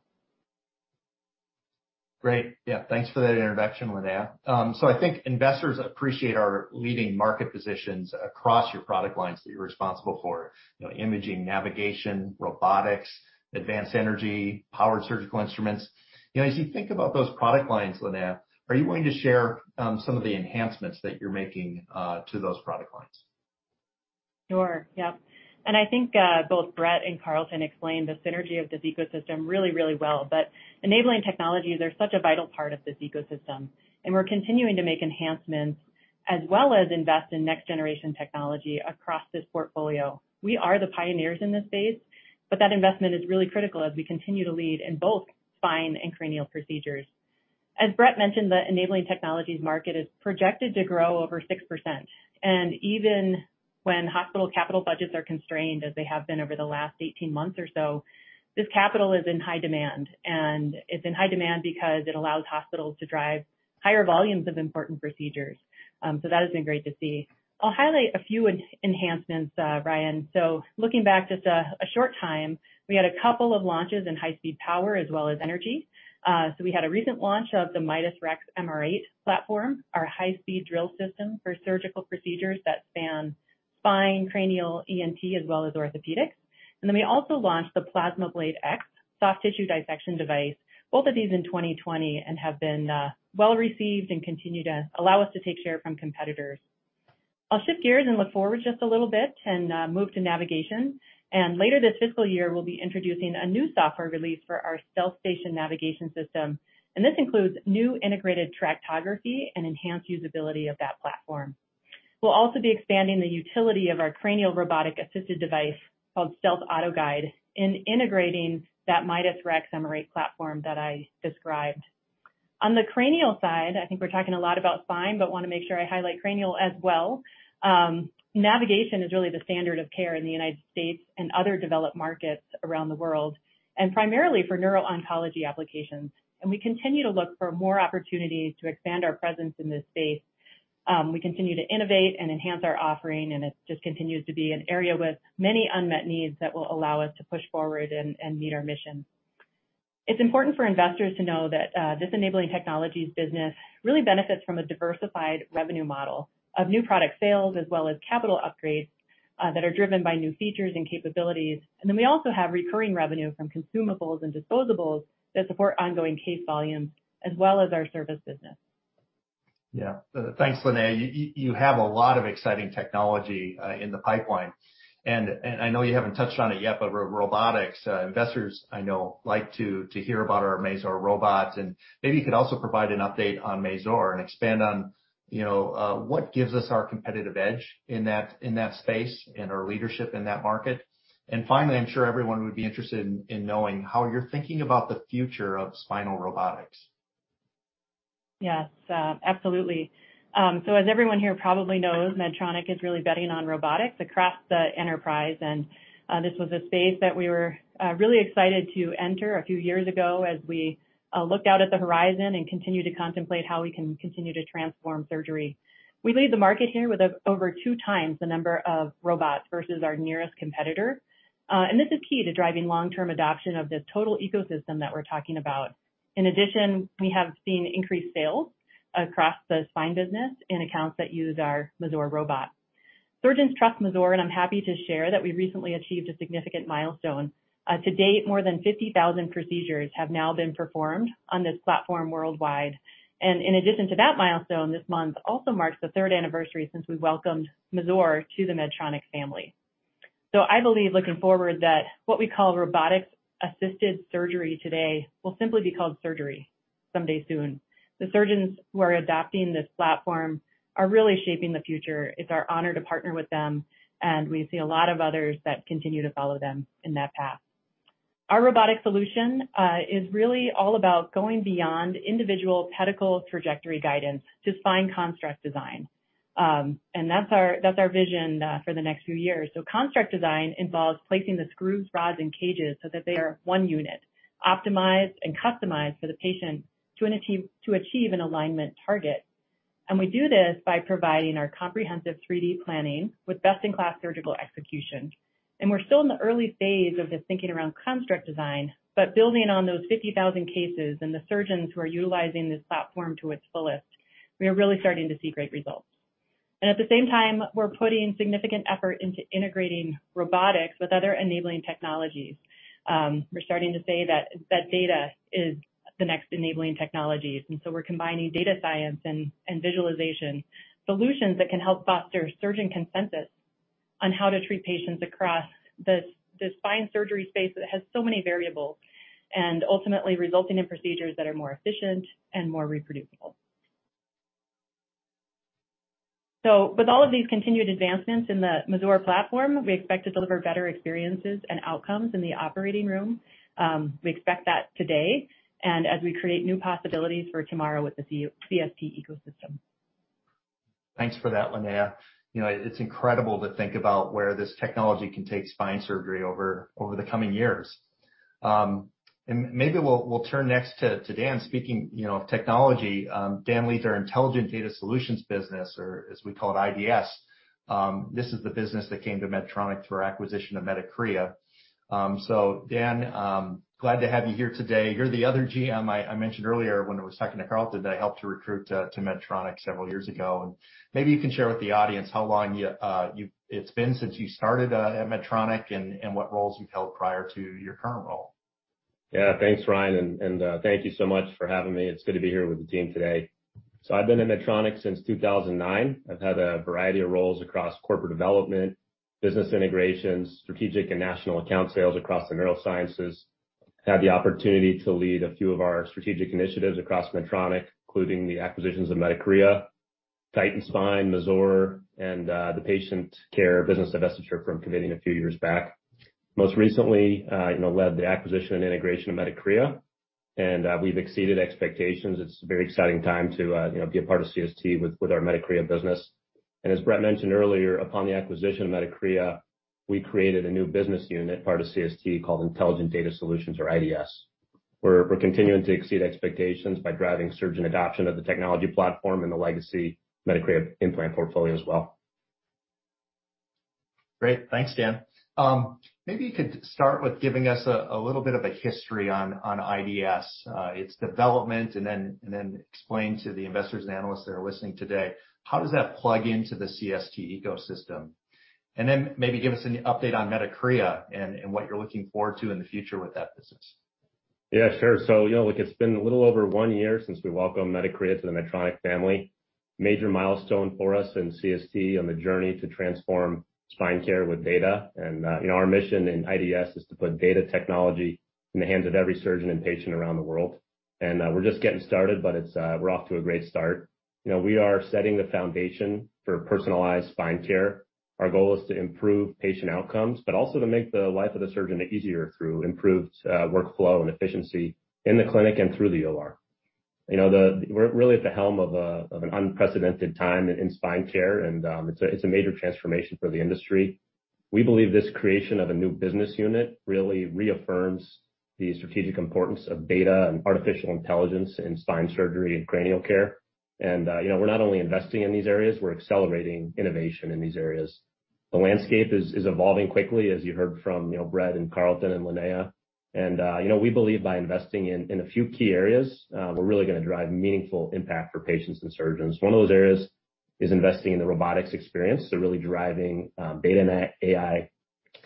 Great. Yeah, thanks for that introduction, Linnea. So I think investors appreciate our leading market positions across your product lines that you're responsible for, you know, imaging, navigation, robotics, advanced energy, powered surgical instruments. You know, as you think about those product lines, Linnea, are you willing to share some of the enhancements that you're making to those product lines? Sure. Yep. I think both Brett and Carlton explained the synergy of this ecosystem really, really well. Enabling Technologies are such a vital part of this ecosystem, and we're continuing to make enhancements as well as invest in next generation technology across this portfolio. We are the pioneers in this space, but that investment is really critical as we continue to lead in both spine and cranial procedures. As Brett mentioned, the Enabling Technologies market is projected to grow over 6%. Even when hospital capital budgets are constrained, as they have been over the last 18 months or so, this capital is in high demand. It's in high demand because it allows hospitals to drive higher volumes of important procedures. That has been great to see. I'll highlight a few enhancements, Ryan. Looking back just a short time, we had a couple of launches in high speed power as well as energy. We had a recent launch of the Midas Rex MR8 platform, our high speed drill system for surgical procedures that span spine, cranial, ENT, as well as orthopedics. Then we also launched the PlasmaBlade X soft tissue dissection device, both of these in 2020, and have been well received and continue to allow us to take share from competitors. I'll shift gears and look forward just a little bit and move to navigation. Later this fiscal year, we'll be introducing a new software release for our StealthStation navigation system, and this includes new integrated tractography and enhanced usability of that platform. We'll also be expanding the utility of our cranial robotic assisted device called Stealth AutoGuide in integrating that Midas Rex MR8 platform that I described. On the cranial side, I think we're talking a lot about spine, but want to make sure I highlight cranial as well. Navigation is really the standard of care in the United States and other developed markets around the world, and primarily for neuro-oncology applications. We continue to look for more opportunities to expand our presence in this space. We continue to innovate and enhance our offering, and it just continues to be an area with many unmet needs that will allow us to push forward and meet our mission. It's important for investors to know that this Enabling Technologies business really benefits from a diversified revenue model of new product sales as well as capital upgrades that are driven by new features and capabilities. We also have recurring revenue from consumables and disposables that support ongoing case volumes as well as our service business. Yeah. Thanks, Linnea. You have a lot of exciting technology in the pipeline. I know you haven't touched on it yet, but robotics. Investors I know like to hear about our Mazor robots, and maybe you could also provide an update on Mazor and expand on, you know, what gives us our competitive edge in that space and our leadership in that market. Finally, I'm sure everyone would be interested in knowing how you're thinking about the future of spinal robotics. Yes, absolutely. As everyone here probably knows, Medtronic is really betting on robotics across the enterprise. This was a space that we were really excited to enter a few years ago as we looked out at the horizon and continue to contemplate how we can continue to transform surgery. We lead the market here with over two times the number of robots versus our nearest competitor. This is key to driving long-term adoption of this total ecosystem that we're talking about. In addition, we have seen increased sales across the spine business in accounts that use our Mazor robot. Surgeons trust Mazor, and I'm happy to share that we recently achieved a significant milestone. To date, more than 50,000 procedures have now been performed on this platform worldwide. In addition to that milestone, this month also marks the third anniversary since we welcomed Mazor to the Medtronic family. I believe looking forward, that what we call robotic assisted surgery today will simply be called surgery someday soon. The surgeons who are adopting this platform are really shaping the future. It's our honor to partner with them, and we see a lot of others that continue to follow them in that path. Our robotic solution is really all about going beyond individual pedicle trajectory guidance to spine construct design. That's our vision for the next few years. Construct design involves placing the screws, rods, and cages so that they are one unit, optimized and customized for the patient to achieve an alignment target. We do this by providing our comprehensive 3D planning with best in class surgical execution. We're still in the early phase of this thinking around construct design, but building on those 50,000 cases and the surgeons who are utilizing this platform to its fullest, we are really starting to see great results. At the same time, we're putting significant effort into integrating robotics with other enabling technologies. We're starting to say that data is the next enabling technologies, and so we're combining data science and visualization solutions that can help foster surgeon consensus on how to treat patients across the spine surgery space that has so many variables, and ultimately resulting in procedures that are more efficient and more reproducible. With all of these continued advancements in the Mazor platform, we expect to deliver better experiences and outcomes in the operating room. We expect that today and as we create new possibilities for tomorrow with the CST ecosystem. Thanks for that, Linnea. You know, it's incredible to think about where this technology can take spine surgery over the coming years. Maybe we'll turn next to Dan. Speaking, you know, of technology, Dan leads our Intelligent Data Solutions business, or as we call it, IDS. This is the business that came to Medtronic through our acquisition of Medicrea. So Dan, glad to have you here today. You're the other GM I mentioned earlier when I was talking to Carlton that I helped to recruit to Medtronic several years ago. Maybe you can share with the audience how long it's been since you started at Medtronic and what roles you've held prior to your current role. Yeah. Thanks, Ryan, thank you so much for having me. It's good to be here with the team today. I've been at Medtronic since 2009. I've had a variety of roles across corporate development, business integrations, strategic and national account sales across the neurosciences. Had the opportunity to lead a few of our strategic initiatives across Medtronic, including the acquisitions of Medicrea, Titan Spine, Mazor, and the patient care business divestiture from Covidien a few years back. Most recently, you know, led the acquisition and integration of Medicrea, and we've exceeded expectations. It's a very exciting time to, you know, be a part of CST with our Medicrea business. As Brett mentioned earlier, upon the acquisition of Medicrea, we created a new business unit, part of CST, called Intelligent Data Solutions, or IDS. We're continuing to exceed expectations by driving surgeon adoption of the technology platform and the legacy Medicrea implant portfolio as well. Great. Thanks, Dan. Maybe you could start with giving us a little bit of a history on IDS, its development, and then explain to the investors and analysts that are listening today, how does that plug into the CST ecosystem? Then maybe give us an update on Medicrea and what you're looking forward to in the future with that business. Yeah, sure. You know, look, it's been a little over one year since we welcomed Medicrea to the Medtronic family. Major milestone for us in CST on the journey to transform spine care with data. You know, our mission in IDS is to put data technology in the hands of every surgeon and patient around the world. We're just getting started, but it's, we're off to a great start. You know, we are setting the foundation for personalized spine care. Our goal is to improve patient outcomes, but also to make the life of the surgeon easier through improved workflow and efficiency in the clinic and through the OR. You know, we're really at the helm of an unprecedented time in spine care, and it's a major transformation for the industry. We believe this creation of a new business unit really reaffirms the strategic importance of data and artificial intelligence in spine surgery and cranial care. You know, we're not only investing in these areas, we're accelerating innovation in these areas. The landscape is evolving quickly, as you heard from, you know, Brett and Carlton and Linnea. You know, we believe by investing in a few key areas, we're really gonna drive meaningful impact for patients and surgeons. One of those areas is investing in the robotics experience, really driving data and AI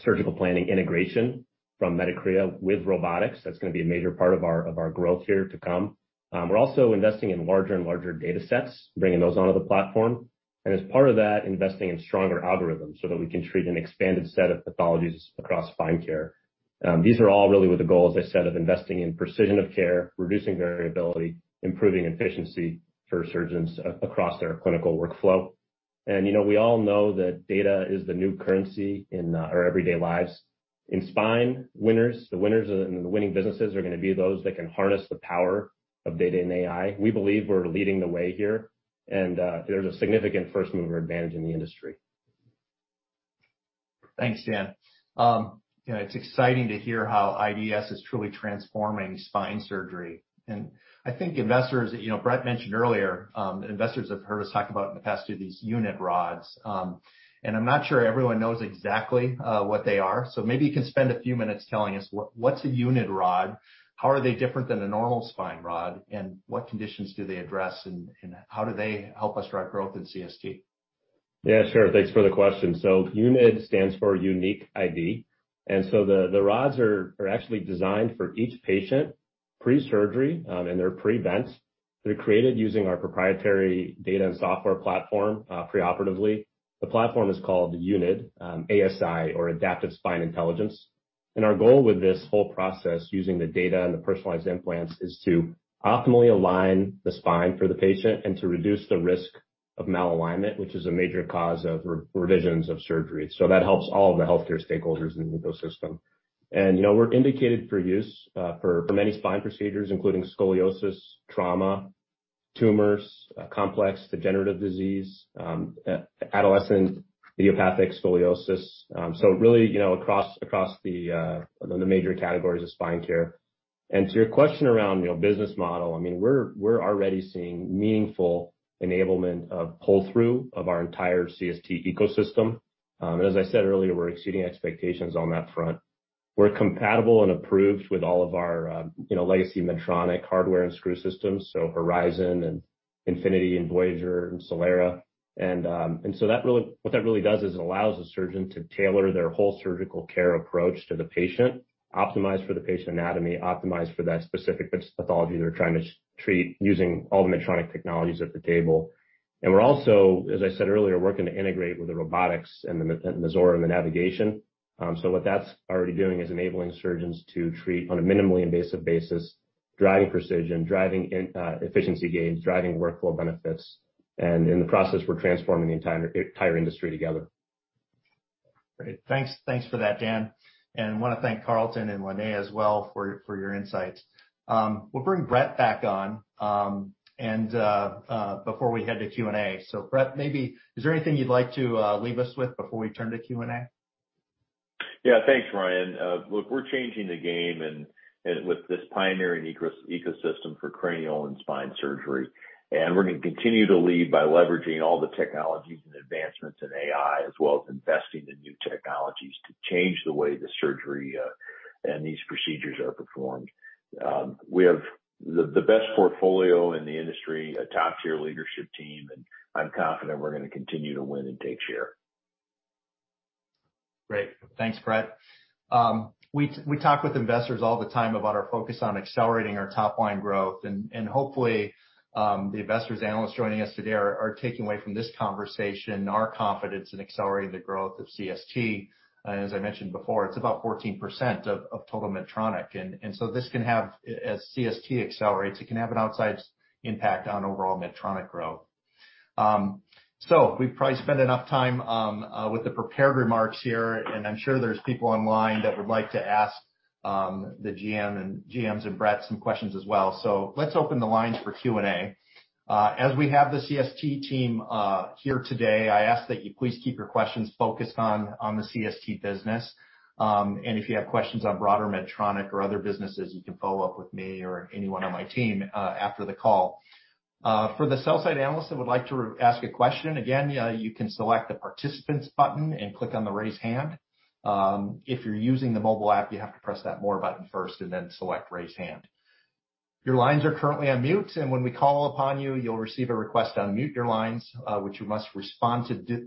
surgical planning integration from Medicrea with robotics. That's gonna be a major part of our growth here to come. We're also investing in larger and larger datasets, bringing those onto the platform. As part of that, investing in stronger algorithms, so that we can treat an expanded set of pathologies across spine care. These are all really with the goal, as I said, of investing in precision of care, reducing variability, improving efficiency for surgeons across their clinical workflow. You know, we all know that data is the new currency in our everyday lives. In spine, the winners and the winning businesses are gonna be those that can harness the power of data and AI. We believe we're leading the way here and there's a significant first mover advantage in the industry. Thanks, Dan. You know, it's exciting to hear how IDS is truly transforming spine surgery. I think investors, you know, Brett mentioned earlier, investors have heard us talk about in the past too these UNiD rods, and I'm not sure everyone knows exactly what they are. So maybe you can spend a few minutes telling us what's a UNiD rod? How are they different than a normal spine rod? And what conditions do they address? And how do they help us drive growth in CST? Yeah, sure. Thanks for the question. UNiD stands for Unique ID. The rods are actually designed for each patient pre-surgery, and they're pre-bent. They're created using our proprietary data and software platform preoperatively. The platform is called UNiD ASI or Adaptive Spine Intelligence. Our goal with this whole process, using the data and the personalized implants, is to optimally align the spine for the patient and to reduce the risk of malalignment, which is a major cause of revisions of surgery. That helps all of the healthcare stakeholders in the ecosystem. You know, we're indicated for use for many spine procedures, including scoliosis, trauma, tumors, complex degenerative disease, adolescent idiopathic scoliosis. Really, you know, across the major categories of spine care. To your question around, you know, business model, I mean, we're already seeing meaningful enablement of pull-through of our entire CST ecosystem. As I said earlier, we're exceeding expectations on that front. We're compatible and approved with all of our, you know, legacy Medtronic hardware and screw systems, so Horizon and Infinity and Voyager and Solera. That really. What that really does is it allows the surgeon to tailor their whole surgical care approach to the patient, optimize for the patient anatomy, optimize for that specific pathology they're trying to treat using all the Medtronic technologies at the table. As I said earlier, we're also working to integrate with the robotics and the Mazor and the navigation. What that's already doing is enabling surgeons to treat on a minimally invasive basis, driving precision, driving efficiency gains, driving workflow benefits. In the process, we're transforming the entire industry together. Great. Thanks for that, Dan. Wanna thank Carlton and Linnea as well for your insights. We'll bring Brett back on before we head to Q&A. Brett, maybe is there anything you'd like to leave us with before we turn to Q&A? Yeah. Thanks, Ryan. Look, we're changing the game and with this pioneering ecosystem for cranial and spine surgery. We're gonna continue to lead by leveraging all the technologies and advancements in AI, as well as investing in new technologies to change the way the surgery and these procedures are performed. We have the best portfolio in the industry, a top-tier leadership team, and I'm confident we're gonna continue to win and take share. Great. Thanks, Brett. We talk with investors all the time about our focus on accelerating our top line growth. Hopefully, the investors, analysts joining us today are taking away from this conversation our confidence in accelerating the growth of CST. As I mentioned before, it's about 14% of total Medtronic. As CST accelerates, it can have an outsized impact on overall Medtronic growth. We've probably spent enough time with the prepared remarks here, and I'm sure there's people online that would like to ask the GM and GMs and Brett some questions as well. Let's open the lines for Q&A. As we have the CST team here today, I ask that you please keep your questions focused on the CST business. If you have questions on broader Medtronic or other businesses, you can follow up with me or anyone on my team after the call. For the sell-side analysts that would like to ask a question, again, you can select the Participants button and click on the Raise Hand. If you're using the mobile app, you have to press that More button first and then select Raise Hand. Your lines are currently on mute, and when we call upon you'll receive a request to unmute your lines, which you must respond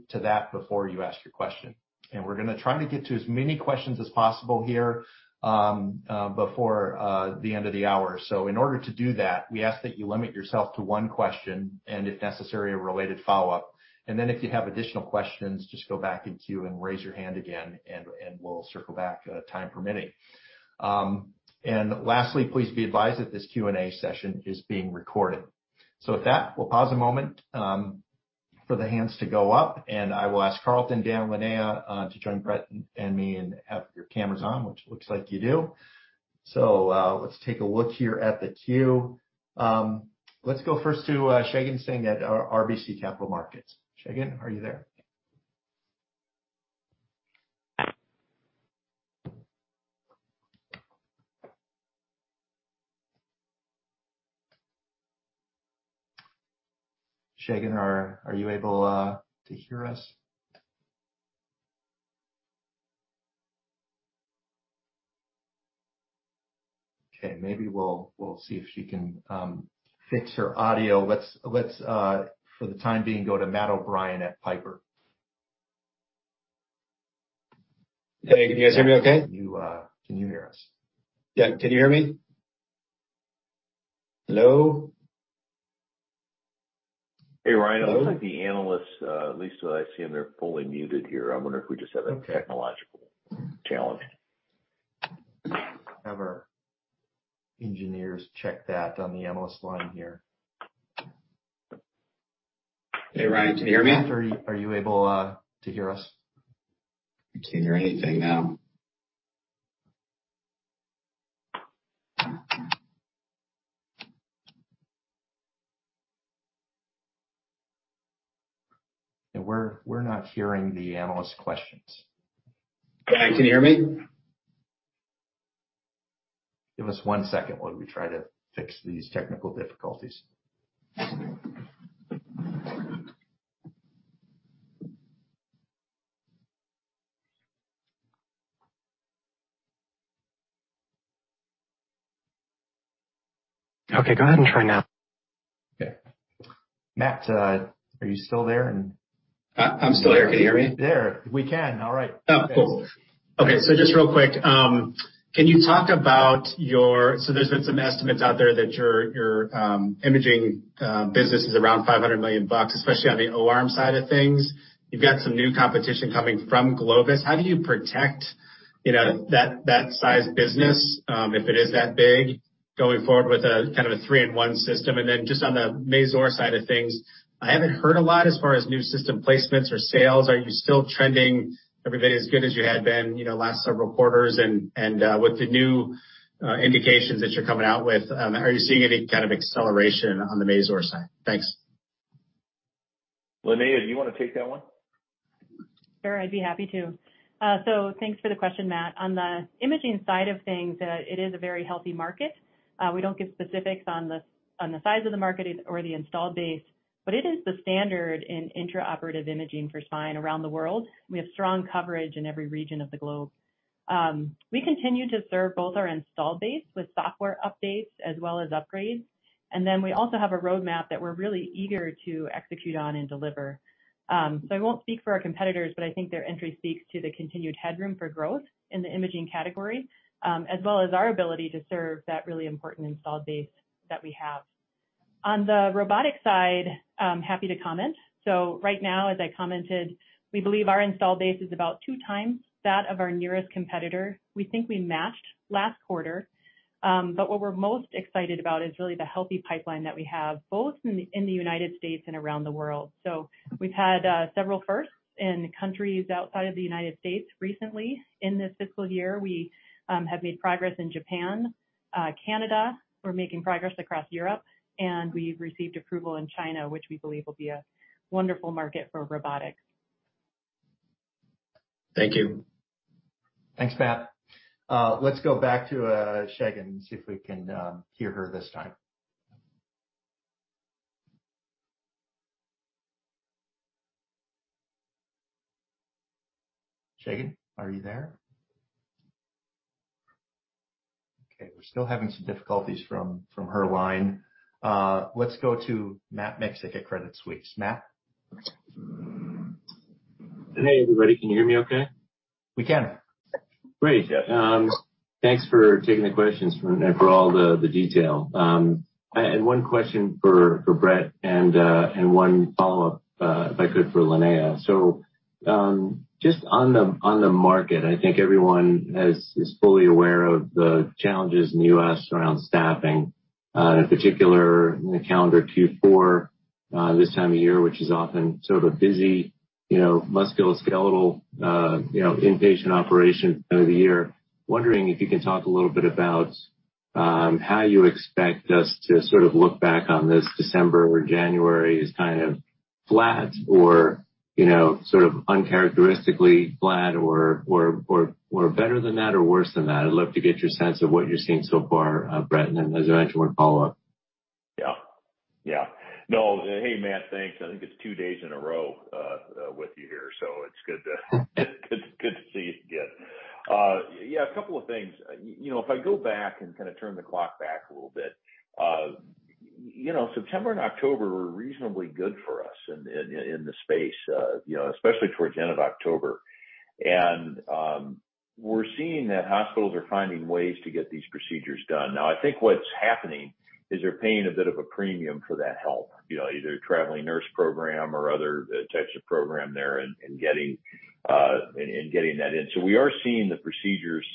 to that before you ask your question. We're gonna try to get to as many questions as possible here before the end of the hour. In order to do that, we ask that you limit yourself to one question and if necessary, a related follow-up. Then if you have additional questions, just go back in queue and raise your hand again, and we'll circle back time permitting. Lastly, please be advised that this Q&A session is being recorded. With that, we'll pause a moment for the hands to go up, and I will ask Carlton, Dan, Linnea to join Brett and me and have your cameras on, which looks like you do. Let's take a look here at the queue. Let's go first to Shagun Singh at RBC Capital Markets. Shagun, are you there? Shagun, are you able to hear us? Okay, maybe we'll see if she can fix her audio. Let's for the time being, go to Matt O'Brien at Piper. Hey, can you guys hear me okay? You, can you hear us? Yeah. Can you hear me? Hello? Hey, Ryan. Hello? It looks like the analysts, at least as I see them, they're fully muted here. I wonder if we just have a. Okay. Technological challenge. Have our engineers check that on the analyst line here. Hey, Ryan, can you hear me? Matt, are you able to hear us? I can't hear anything, no. Yeah, we're not hearing the analyst questions. Can you hear me? Give us one second while we try to fix these technical difficulties. Okay, go ahead and try now. Okay. Matt, are you still there? I'm still here. Can you hear me? There. We can. All right. Oh, cool. Okay, just real quick. Can you talk about your so there's been some estimates out there that your imaging business is around $500 million, especially on the O-arm side of things. You've got some new competition coming from Globus. How do you protect, you know, that size business, if it is that big, going forward with a kind of a three-in-one system? And then just on the Mazor side of things, I haven't heard a lot as far as new system placements or sales. Are you still trending everything as good as you had been, you know, last several quarters? And with the new indications that you're coming out with, are you seeing any kind of acceleration on the Mazor side? Thanks. Linnea, do you wanna take that one? Sure. I'd be happy to. Thanks for the question, Matt. On the imaging side of things, it is a very healthy market. We don't give specifics on the size of the market or the installed base, but it is the standard in intraoperative imaging for spine around the world. We have strong coverage in every region of the globe. We continue to serve both our installed base with software updates as well as upgrades. We also have a roadmap that we're really eager to execute on and deliver. I won't speak for our competitors, but I think their entry speaks to the continued headroom for growth in the imaging category, as well as our ability to serve that really important installed base that we have. On the robotic side, I'm happy to comment. Right now, as I commented, we believe our installed base is about 2x that of our nearest competitor. We think we matched last quarter. What we're most excited about is really the healthy pipeline that we have, both in the United States and around the world. We've had several firsts in countries outside of the United States recently in this fiscal year. We have made progress in Japan, Canada. We're making progress across Europe, and we've received approval in China, which we believe will be a wonderful market for robotics. Thank you. Thanks, Matt. Let's go back to Shagun and see if we can hear her this time. Shagun, are you there? Okay, we're still having some difficulties from her line. Let's go to Matt Miksic at Credit Suisse. Matt? Hey, everybody. Can you hear me okay? We can. Great. Thanks for taking the questions from and for all the detail. I had one question for Brett and one follow-up, if I could, for Linnea. Just on the market, I think everyone is fully aware of the challenges in the U.S. around staffing, in particular in the calendar Q4, this time of year, which is often sort of a busy, you know, musculoskeletal, you know, inpatient operation time of the year. Wondering if you can talk a little bit about how you expect us to sort of look back on this December where January is kind of flat or, you know, sort of uncharacteristically flat or better than that or worse than that. I'd love to get your sense of what you're seeing so far, Brett, and then as I mentioned, one follow-up. Hey, Matt. Thanks. I think it's two days in a row with you here, so it's good to see you again. Yeah, a couple of things. You know, if I go back and kinda turn the clock back a little bit, you know, September and October were reasonably good for us in the space, you know, especially towards the end of October. We're seeing that hospitals are finding ways to get these procedures done. Now, I think what's happening is they're paying a bit of a premium for that help, you know, either traveling nurse program or other types of program there and getting that in. We are seeing the procedures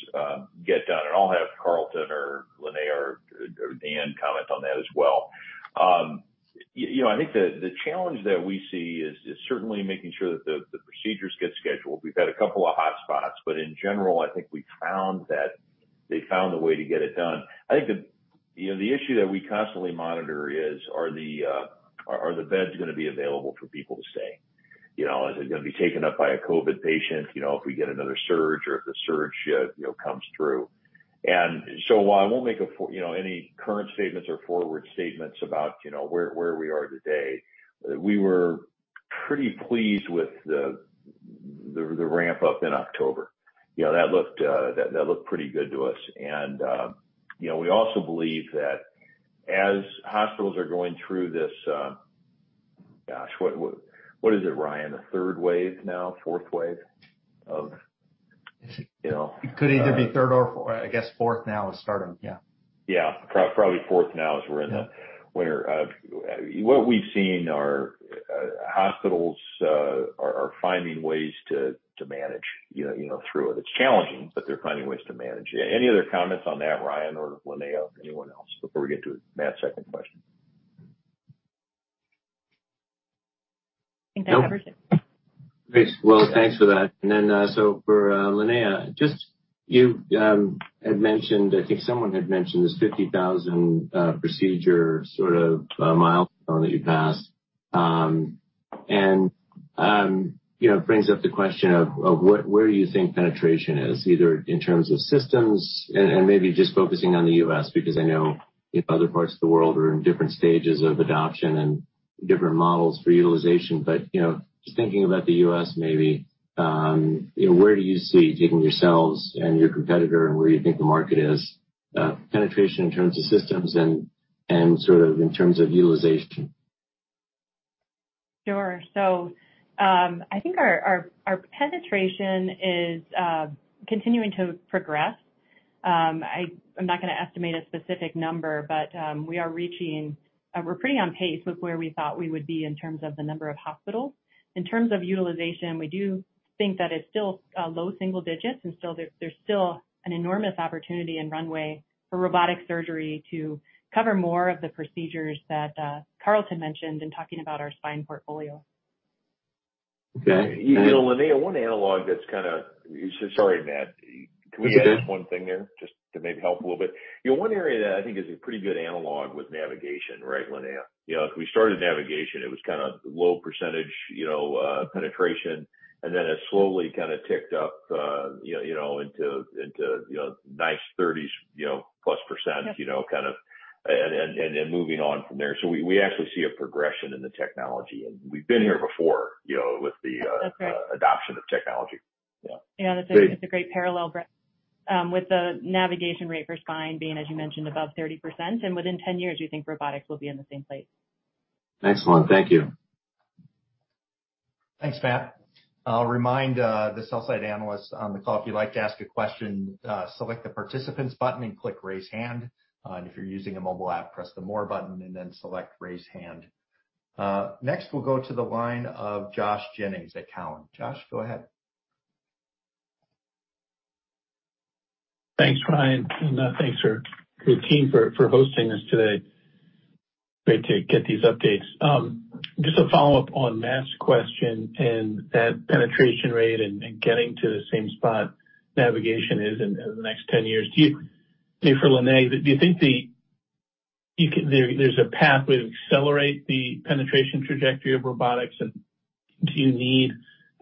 get done, and I'll have Carlton or Linnea or Dan comment on that as well. You know, I think the challenge that we see is certainly making sure that the procedures get scheduled. We've had a couple of hotspots, but in general, I think we found that they found a way to get it done. I think you know, the issue that we constantly monitor is are the beds gonna be available for people to stay? You know, is it gonna be taken up by a COVID patient, you know, if we get another surge or if the surge you know, comes through. While I won't make you know, any current statements or forward statements about you know, where we are today, we were pretty pleased with the ramp-up in October. You know, that looked pretty good to us. you know, we also believe that as hospitals are going through this, gosh, what is it, Ryan? The third wave now, fourth wave of. It could either be third or fourth. I guess fourth now is starting. Yeah. Yeah. Probably fourth now as we're in the winter of what we've seen are hospitals are finding ways to manage, you know, through it. It's challenging, but they're finding ways to manage. Any other comments on that, Ryan or Linnea, anyone else, before we get to Matt's second question? Nope. I think that covers it. Great. Well, thanks for that. For Linnea, just you had mentioned, I think someone had mentioned this 50,000 procedure sort of milestone that you passed. You know, it brings up the question of where you think penetration is, either in terms of systems and maybe just focusing on the U.S., because I know, you know, other parts of the world are in different stages of adoption and different models for utilization. You know, just thinking about the U.S. maybe, you know, where do you see taking yourselves and your competitor and where you think the market is, penetration in terms of systems and sort of in terms of utilization? Sure. I think our penetration is continuing to progress. I'm not gonna estimate a specific number, but we're pretty on pace with where we thought we would be in terms of the number of hospitals. In terms of utilization, we do think that it's still low single digits and there's still an enormous opportunity and runway for robotic surgery to cover more of the procedures that Carlton mentioned in talking about our spine portfolio. You know, Linnea. Sorry, Matt. Yeah. Can we just add one thing there just to maybe help a little bit? You know, one area that I think is a pretty good analog with navigation, right, Linnea? You know, if we started navigation, it was kinda low percentage, you know, penetration, and then it slowly kinda ticked up, you know, into nice 30s, you know, plus %. Yes. You know, kind of, and then moving on from there. We actually see a progression in the technology, and we've been here before, you know, with the. That's right. Adoption of technology. Yeah. Yeah. That's a great parallel, Brett. With the navigation rate for spine being, as you mentioned, above 30%, and within 10 years, you think robotics will be in the same place. Excellent. Thank you. Thanks, Matt. I'll remind the sell-side analysts on the call, if you'd like to ask a question, select the Participants button and click Raise Hand. If you're using a mobile app, press the More button and then select Raise Hand. Next, we'll go to the line of Josh Jennings at Cowen. Josh, go ahead. Thanks, Ryan, and thanks for the team for hosting us today. Great to get these updates. Just a follow-up on Matt's question and that penetration rate and getting to the same spot navigation is in in the next 10 years. Maybe for Linnea, do you think there's a pathway to accelerate the penetration trajectory of robotics and do you need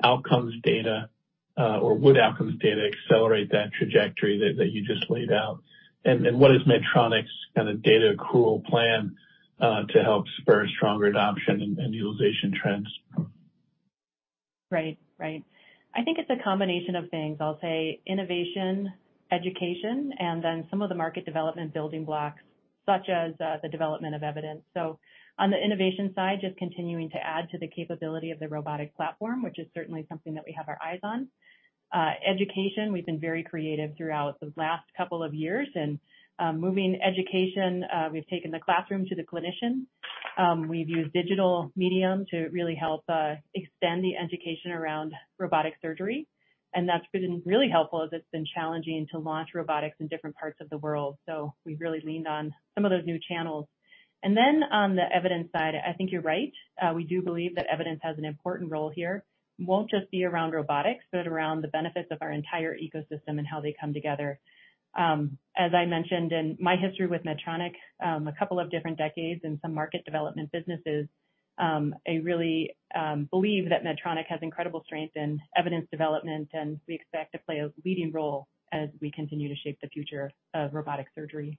outcomes data, or would outcomes data accelerate that trajectory that you just laid out? And what is Medtronic's kind of data accrual plan to help spur stronger adoption and utilization trends? Right. I think it's a combination of things. I'll say innovation, education, and then some of the market development building blocks such as the development of evidence. On the innovation side, just continuing to add to the capability of the robotic platform, which is certainly something that we have our eyes on. Education, we've been very creative throughout the last couple of years and moving education, we've taken the classroom to the clinician. We've used digital medium to really help extend the education around robotic surgery, and that's been really helpful as it's been challenging to launch robotics in different parts of the world. We've really leaned on some of those new channels. Then on the evidence side, I think you're right. We do believe that evidence has an important role here. It won't just be around robotics, but around the benefits of our entire ecosystem and how they come together. As I mentioned in my history with Medtronic, a couple of different decades in some market development businesses, I really believe that Medtronic has incredible strength in evidence development, and we expect to play a leading role as we continue to shape the future of robotic surgery.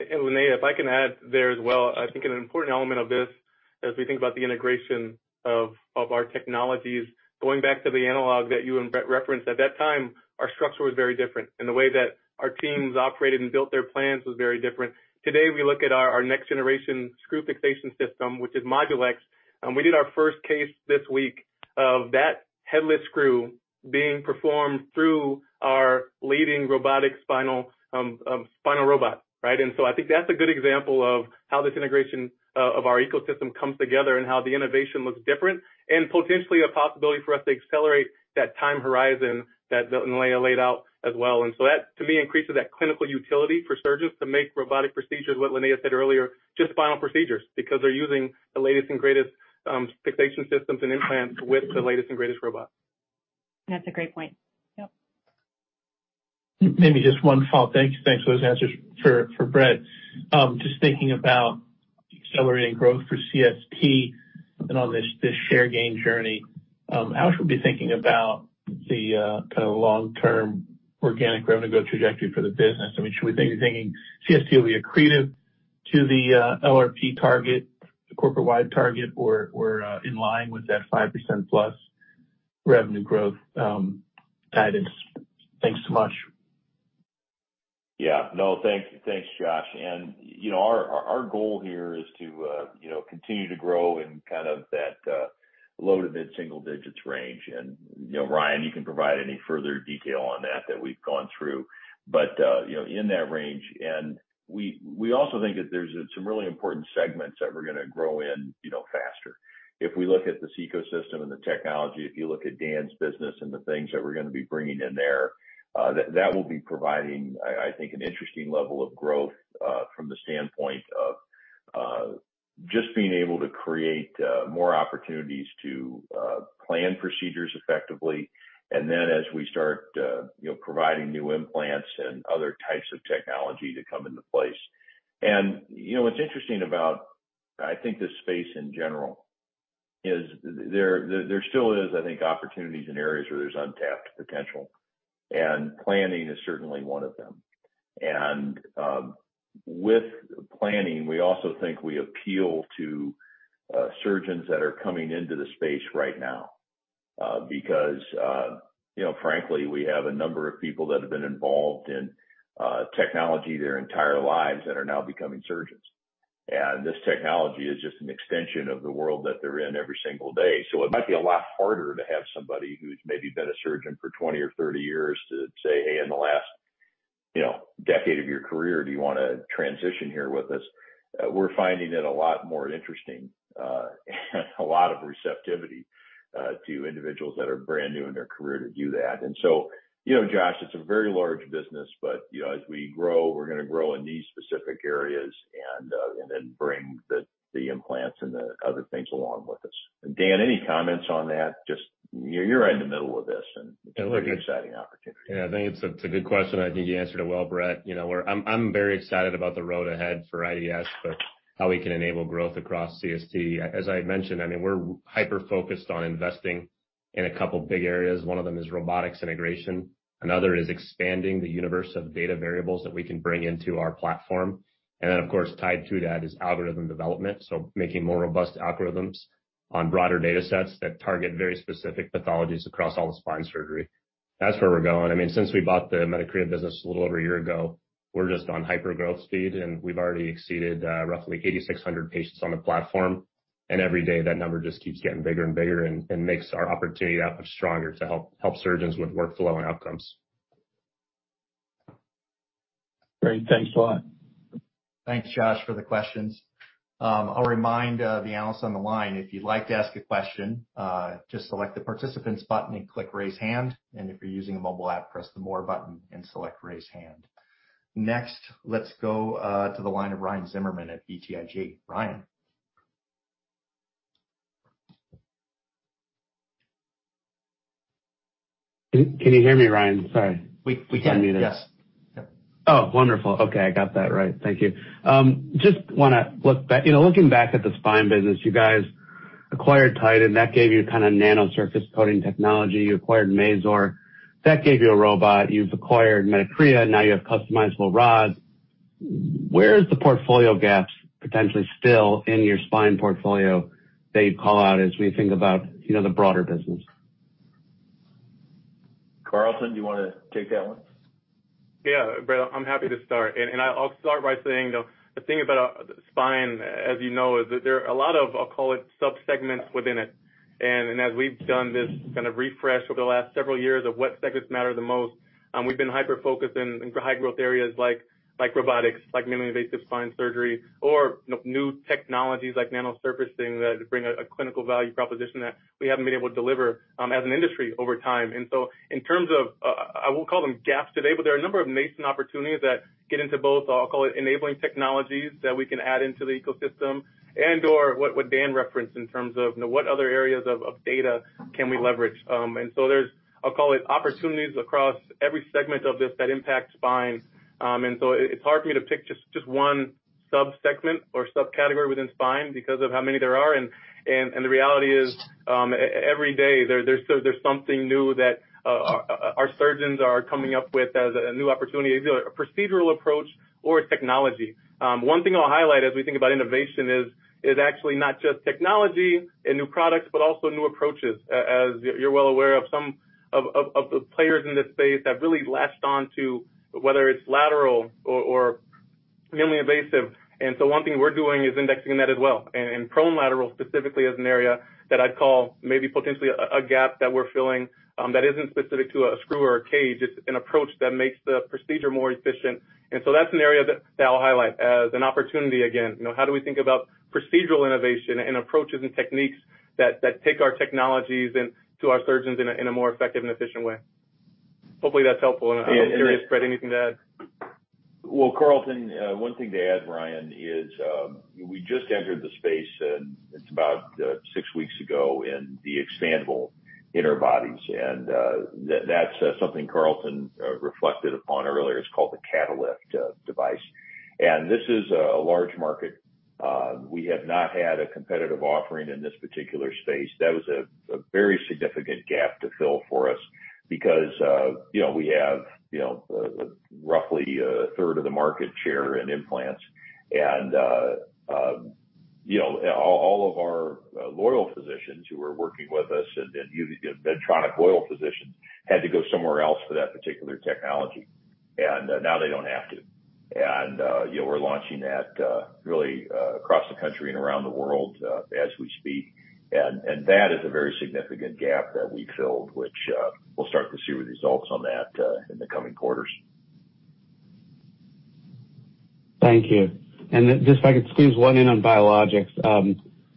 Linnea, if I can add there as well. I think an important element of this as we think about the integration of our technologies, going back to the analog that you and Brett referenced, at that time, our structure was very different, and the way that our teams operated and built their plans was very different. Today, we look at our next generation screw fixation system, which is Modulex, and we did our first case this week of that headless screw being performed through our leading robotic spinal robot, right? I think that's a good example of how this integration of our ecosystem comes together and how the innovation looks different and potentially a possibility for us to accelerate that time horizon that Linnea laid out as well. That, to me, increases that clinical utility for surgeons to make robotic procedures, what Linnea said earlier, just spinal procedures, because they're using the latest and greatest fixation systems and implants with the latest and greatest robot. That's a great point. Yep. Maybe just one follow. Thank you. Thanks for those answers for Brett. Just thinking about accelerating growth for CST and on this share gain journey, how should we be thinking about the kind of long-term organic revenue growth trajectory for the business? I mean, should we be thinking CST will be accretive to the LRP target, the corporate-wide target, or in line with that 5%+ revenue growth guidance? Thanks so much. Yeah. No, thanks, Josh. You know, our goal here is to, you know, continue to grow in kind of that low- to mid-single-digits range. You know, Ryan, you can provide any further detail on that we've gone through. You know, in that range. We also think that there's some really important segments that we're gonna grow in, you know, faster. If we look at this ecosystem and the technology, if you look at Dan's business and the things that we're gonna be bringing in there, that will be providing, I think, an interesting level of growth from the standpoint of just being able to create more opportunities to plan procedures effectively, and then as we start, you know, providing new implants and other types of technology to come into place. You know, what's interesting about, I think, this space in general is there still is, I think, opportunities in areas where there's untapped potential, and planning is certainly one of them. With planning, we also think we appeal to surgeons that are coming into the space right now, because you know, frankly, we have a number of people that have been involved in technology their entire lives that are now becoming surgeons. This technology is just an extension of the world that they're in every single day. It might be a lot harder to have somebody who's maybe been a surgeon for 20 or 30 years to say, "Hey, in the last, you know, decade of your career, do you wanna transition here with us?" We're finding it a lot more interesting and a lot of receptivity to individuals that are brand new in their career to do that. You know, Josh, it's a very large business, but, you know, as we grow, we're gonna grow in these specific areas and then bring the implants and the other things along with us. Dan, any comments on that? Just, you're right in the middle of this and it's a pretty exciting opportunity. Yeah, I think it's a good question. I think you answered it well, Brett. I'm very excited about the road ahead for IDS, but how we can enable growth across CST. As I mentioned, I mean, we're hyper-focused on investing in a couple big areas. One of them is robotics integration. Another is expanding the universe of data variables that we can bring into our platform. And then, of course, tied to that is algorithm development, so making more robust algorithms on broader data sets that target very specific pathologies across all the spine surgery. That's where we're going. I mean, since we bought the Medicrea business a little over a year ago, we're just on hyper-growth speed, and we've already exceeded roughly 8,600 patients on the platform. Every day, that number just keeps getting bigger and bigger and makes our opportunity that much stronger to help surgeons with workflow and outcomes. Great. Thanks a lot. Thanks, Josh, for the questions. I'll remind the analysts on the line, if you'd like to ask a question, just select the Participants button and click Raise Hand. If you're using a mobile app, press the More button and select Raise Hand. Next, let's go to the line of Ryan Zimmerman at BTIG. Ryan? Can you hear me, Ryan? Sorry. We can, yes. Oh, wonderful. Okay, I got that right. Thank you. Just wanna look back. You know, looking back at the spine business, you guys acquired Titan, that gave you kinda nano surface coating technology. You acquired Mazor, that gave you a robot. You've acquired Medicrea, now you have customizable rods. Where is the portfolio gaps potentially still in your spine portfolio that you'd call out as we think about, you know, the broader business? Carlton, do you wanna take that one? Yeah. Brad, I'm happy to start. I'll start by saying, the thing about spine, as you know, is that there are a lot of, I'll call it sub-segments within it. As we've done this kind of refresh over the last several years of what segments matter the most, we've been hyper-focused in high growth areas like robotics, like minimally invasive spine surgery, or new technologies like nano surfacing that bring a clinical value proposition that we haven't been able to deliver, as an industry over time. In terms of, I won't call them gaps today, but there are a number of nascent opportunities that get into both. I'll call it Enabling Technologies that we can add into the ecosystem and/or what Dan referenced in terms of, you know, what other areas of data can we leverage. There are opportunities across every segment of this that impact spine. It's hard for me to pick just one sub-segment or subcategory within spine because of how many there are. The reality is, every day, there's something new that our surgeons are coming up with as a new opportunity, either a procedural approach or a technology. One thing I'll highlight as we think about innovation is actually not just technology and new products, but also new approaches. As you're well aware some of the players in this space have really latched on to whether it's lateral or minimally invasive. One thing we're doing is indexing that as well. Prone lateral specifically is an area that I'd call maybe potentially a gap that we're filling, that isn't specific to a screw or a cage. It's an approach that makes the procedure more efficient. That's an area that I'll highlight as an opportunity, again. You know, how do we think about procedural innovation and approaches and techniques that take our technologies in to our surgeons in a more effective and efficient way. Hopefully, that's helpful. I'm curious, Brad, anything to add? Well, Carlton, one thing to add, Ryan, is we just entered the space, and it's about six weeks ago in the expandable interbodies. That's something Carlton reflected upon earlier. It's called the Catalyft device. This is a large market. We have not had a competitive offering in this particular space. That was a very significant gap to fill for us because you know we have you know roughly a third of the market share in implants. You know all of our loyal physicians who are working with us and Medtronic loyal physicians had to go somewhere else for that particular technology. You know we're launching that really across the country and around the world as we speak. that is a very significant gap that we filled, which we'll start to see results on that, in the coming quarters. Thank you. Just if I could squeeze one in on biologics.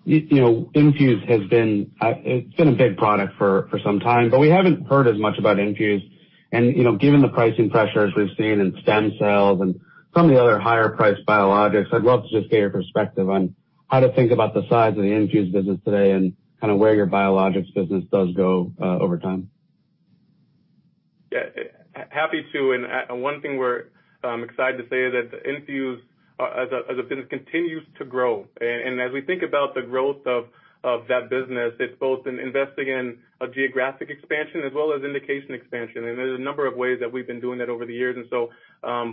You know, INFUSE has been a big product for some time, but we haven't heard as much about INFUSE. You know, given the pricing pressures we've seen in stem cells and some of the other higher-priced biologics, I'd love to just get your perspective on how to think about the size of the INFUSE business today and kinda where your biologics business does go over time. Happy to, one thing we're excited to say is that INFUSE as a business continues to grow. As we think about the growth of that business, it's both in investing in a geographic expansion as well as indication expansion. There's a number of ways that we've been doing that over the years.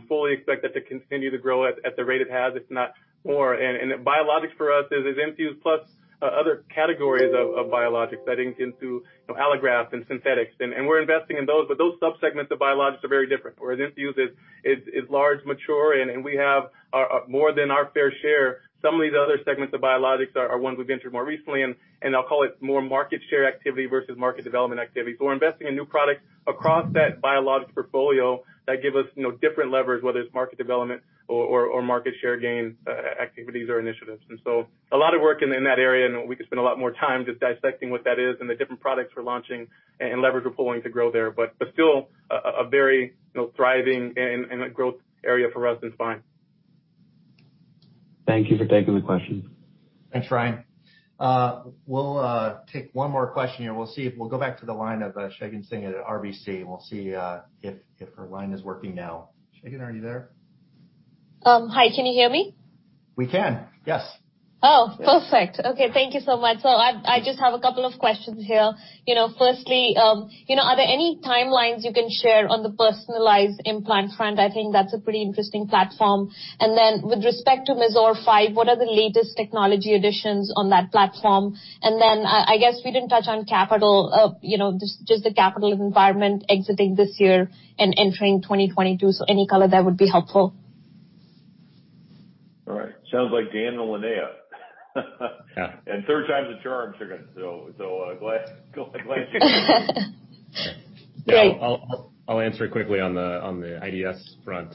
Fully expect that to continue to grow at the rate it has, if not more. Biologics for us is INFUSE plus other categories of biologics that include, you know, allograft and synthetics. We're investing in those. Those sub-segments of biologics are very different, whereas INFUSE is large, mature, and we have more than our fair share. Some of these other segments of biologics are ones we've entered more recently, and I'll call it more market share activity versus market development activity. We're investing in new products across that biologics portfolio that give us, you know, different levers, whether it's market development or market share gain activities or initiatives. A lot of work in that area, and we could spend a lot more time just dissecting what that is and the different products we're launching and leverage we're pulling to grow there. Still a very, you know, thriving and a growth area for us in spine. Thank you for taking the question. Thanks, Ryan. We'll take one more question here. We'll see if we go back to the line of Shagun Singh at RBC, and we'll see if her line is working now. Shagun, are you there? Hi. Can you hear me? We can, yes. Oh, perfect. Okay, thank you so much. I just have a couple of questions here. You know, firstly, you know, are there any timelines you can share on the personalized implant front? I think that's a pretty interesting platform. With respect to Mazor X, what are the latest technology additions on that platform? I guess we didn't touch on capital, you know, just the capital environment exiting this year and entering 2022. Any color there would be helpful. All right. Sounds like Dan and Linnea. Yeah. Third time's a charm, Shagun. Glad I'll answer quickly on the IDS front.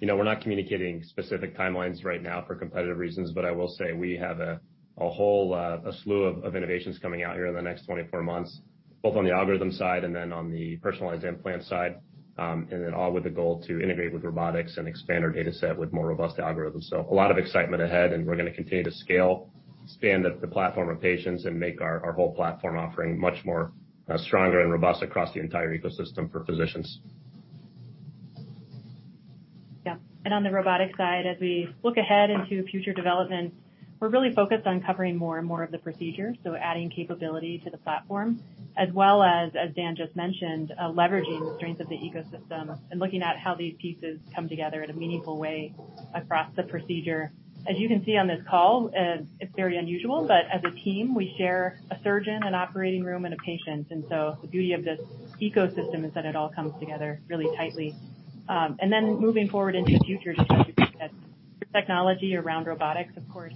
You know, we're not communicating specific timelines right now for competitive reasons, but I will say we have a whole, a slew of innovations coming out here in the next 24 months, both on the algorithm side and then on the personalized implant side, and then all with the goal to integrate with robotics and expand our data set with more robust algorithms. A lot of excitement ahead, and we're gonna continue to scale. Expand the platform of patients and make our whole platform offering much more stronger and robust across the entire ecosystem for physicians. Yeah. On the robotic side, as we look ahead into future developments, we're really focused on covering more and more of the procedure, so adding capability to the platform, as well as Dan just mentioned, leveraging the strength of the ecosystem and looking at how these pieces come together in a meaningful way across the procedure. As you can see on this call, it's very unusual, but as a team, we share a surgeon, an operating room, and a patient. The beauty of this ecosystem is that it all comes together really tightly. Then moving forward into future technologies that technology around robotics, of course,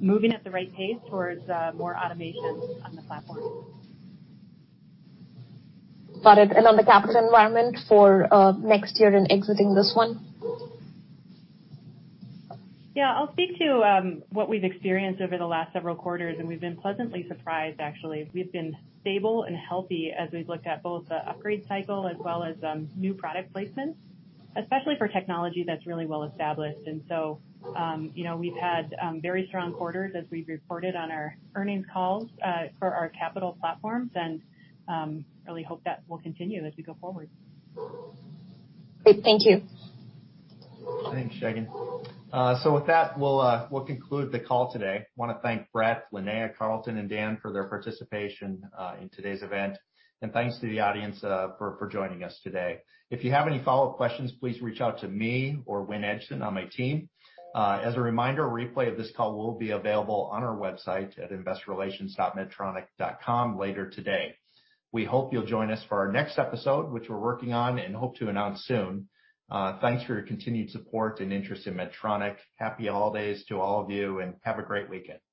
moving at the right pace towards more automation on the platform. Got it. On the capital environment for, next year and exiting this one? Yeah. I'll speak to what we've experienced over the last several quarters, and we've been pleasantly surprised, actually. We've been stable and healthy as we've looked at both the upgrade cycle as well as new product placements, especially for technology that's really well established. You know, we've had very strong quarters as we've reported on our earnings calls, for our capital platforms, and really hope that will continue as we go forward. Great. Thank you. Thanks, Shagun. So with that, we'll conclude the call today. Wanna thank Brett, Linnea, Carlton, and Dan for their participation in today's event. Thanks to the audience for joining us today. If you have any follow-up questions, please reach out to me or Wyn Edgson on my team. As a reminder, a replay of this call will be available on our website at investorrelations.medtronic.com later today. We hope you'll join us for our next episode, which we're working on and hope to announce soon. Thanks for your continued support and interest in Medtronic. Happy holidays to all of you, and have a great weekend. Bye.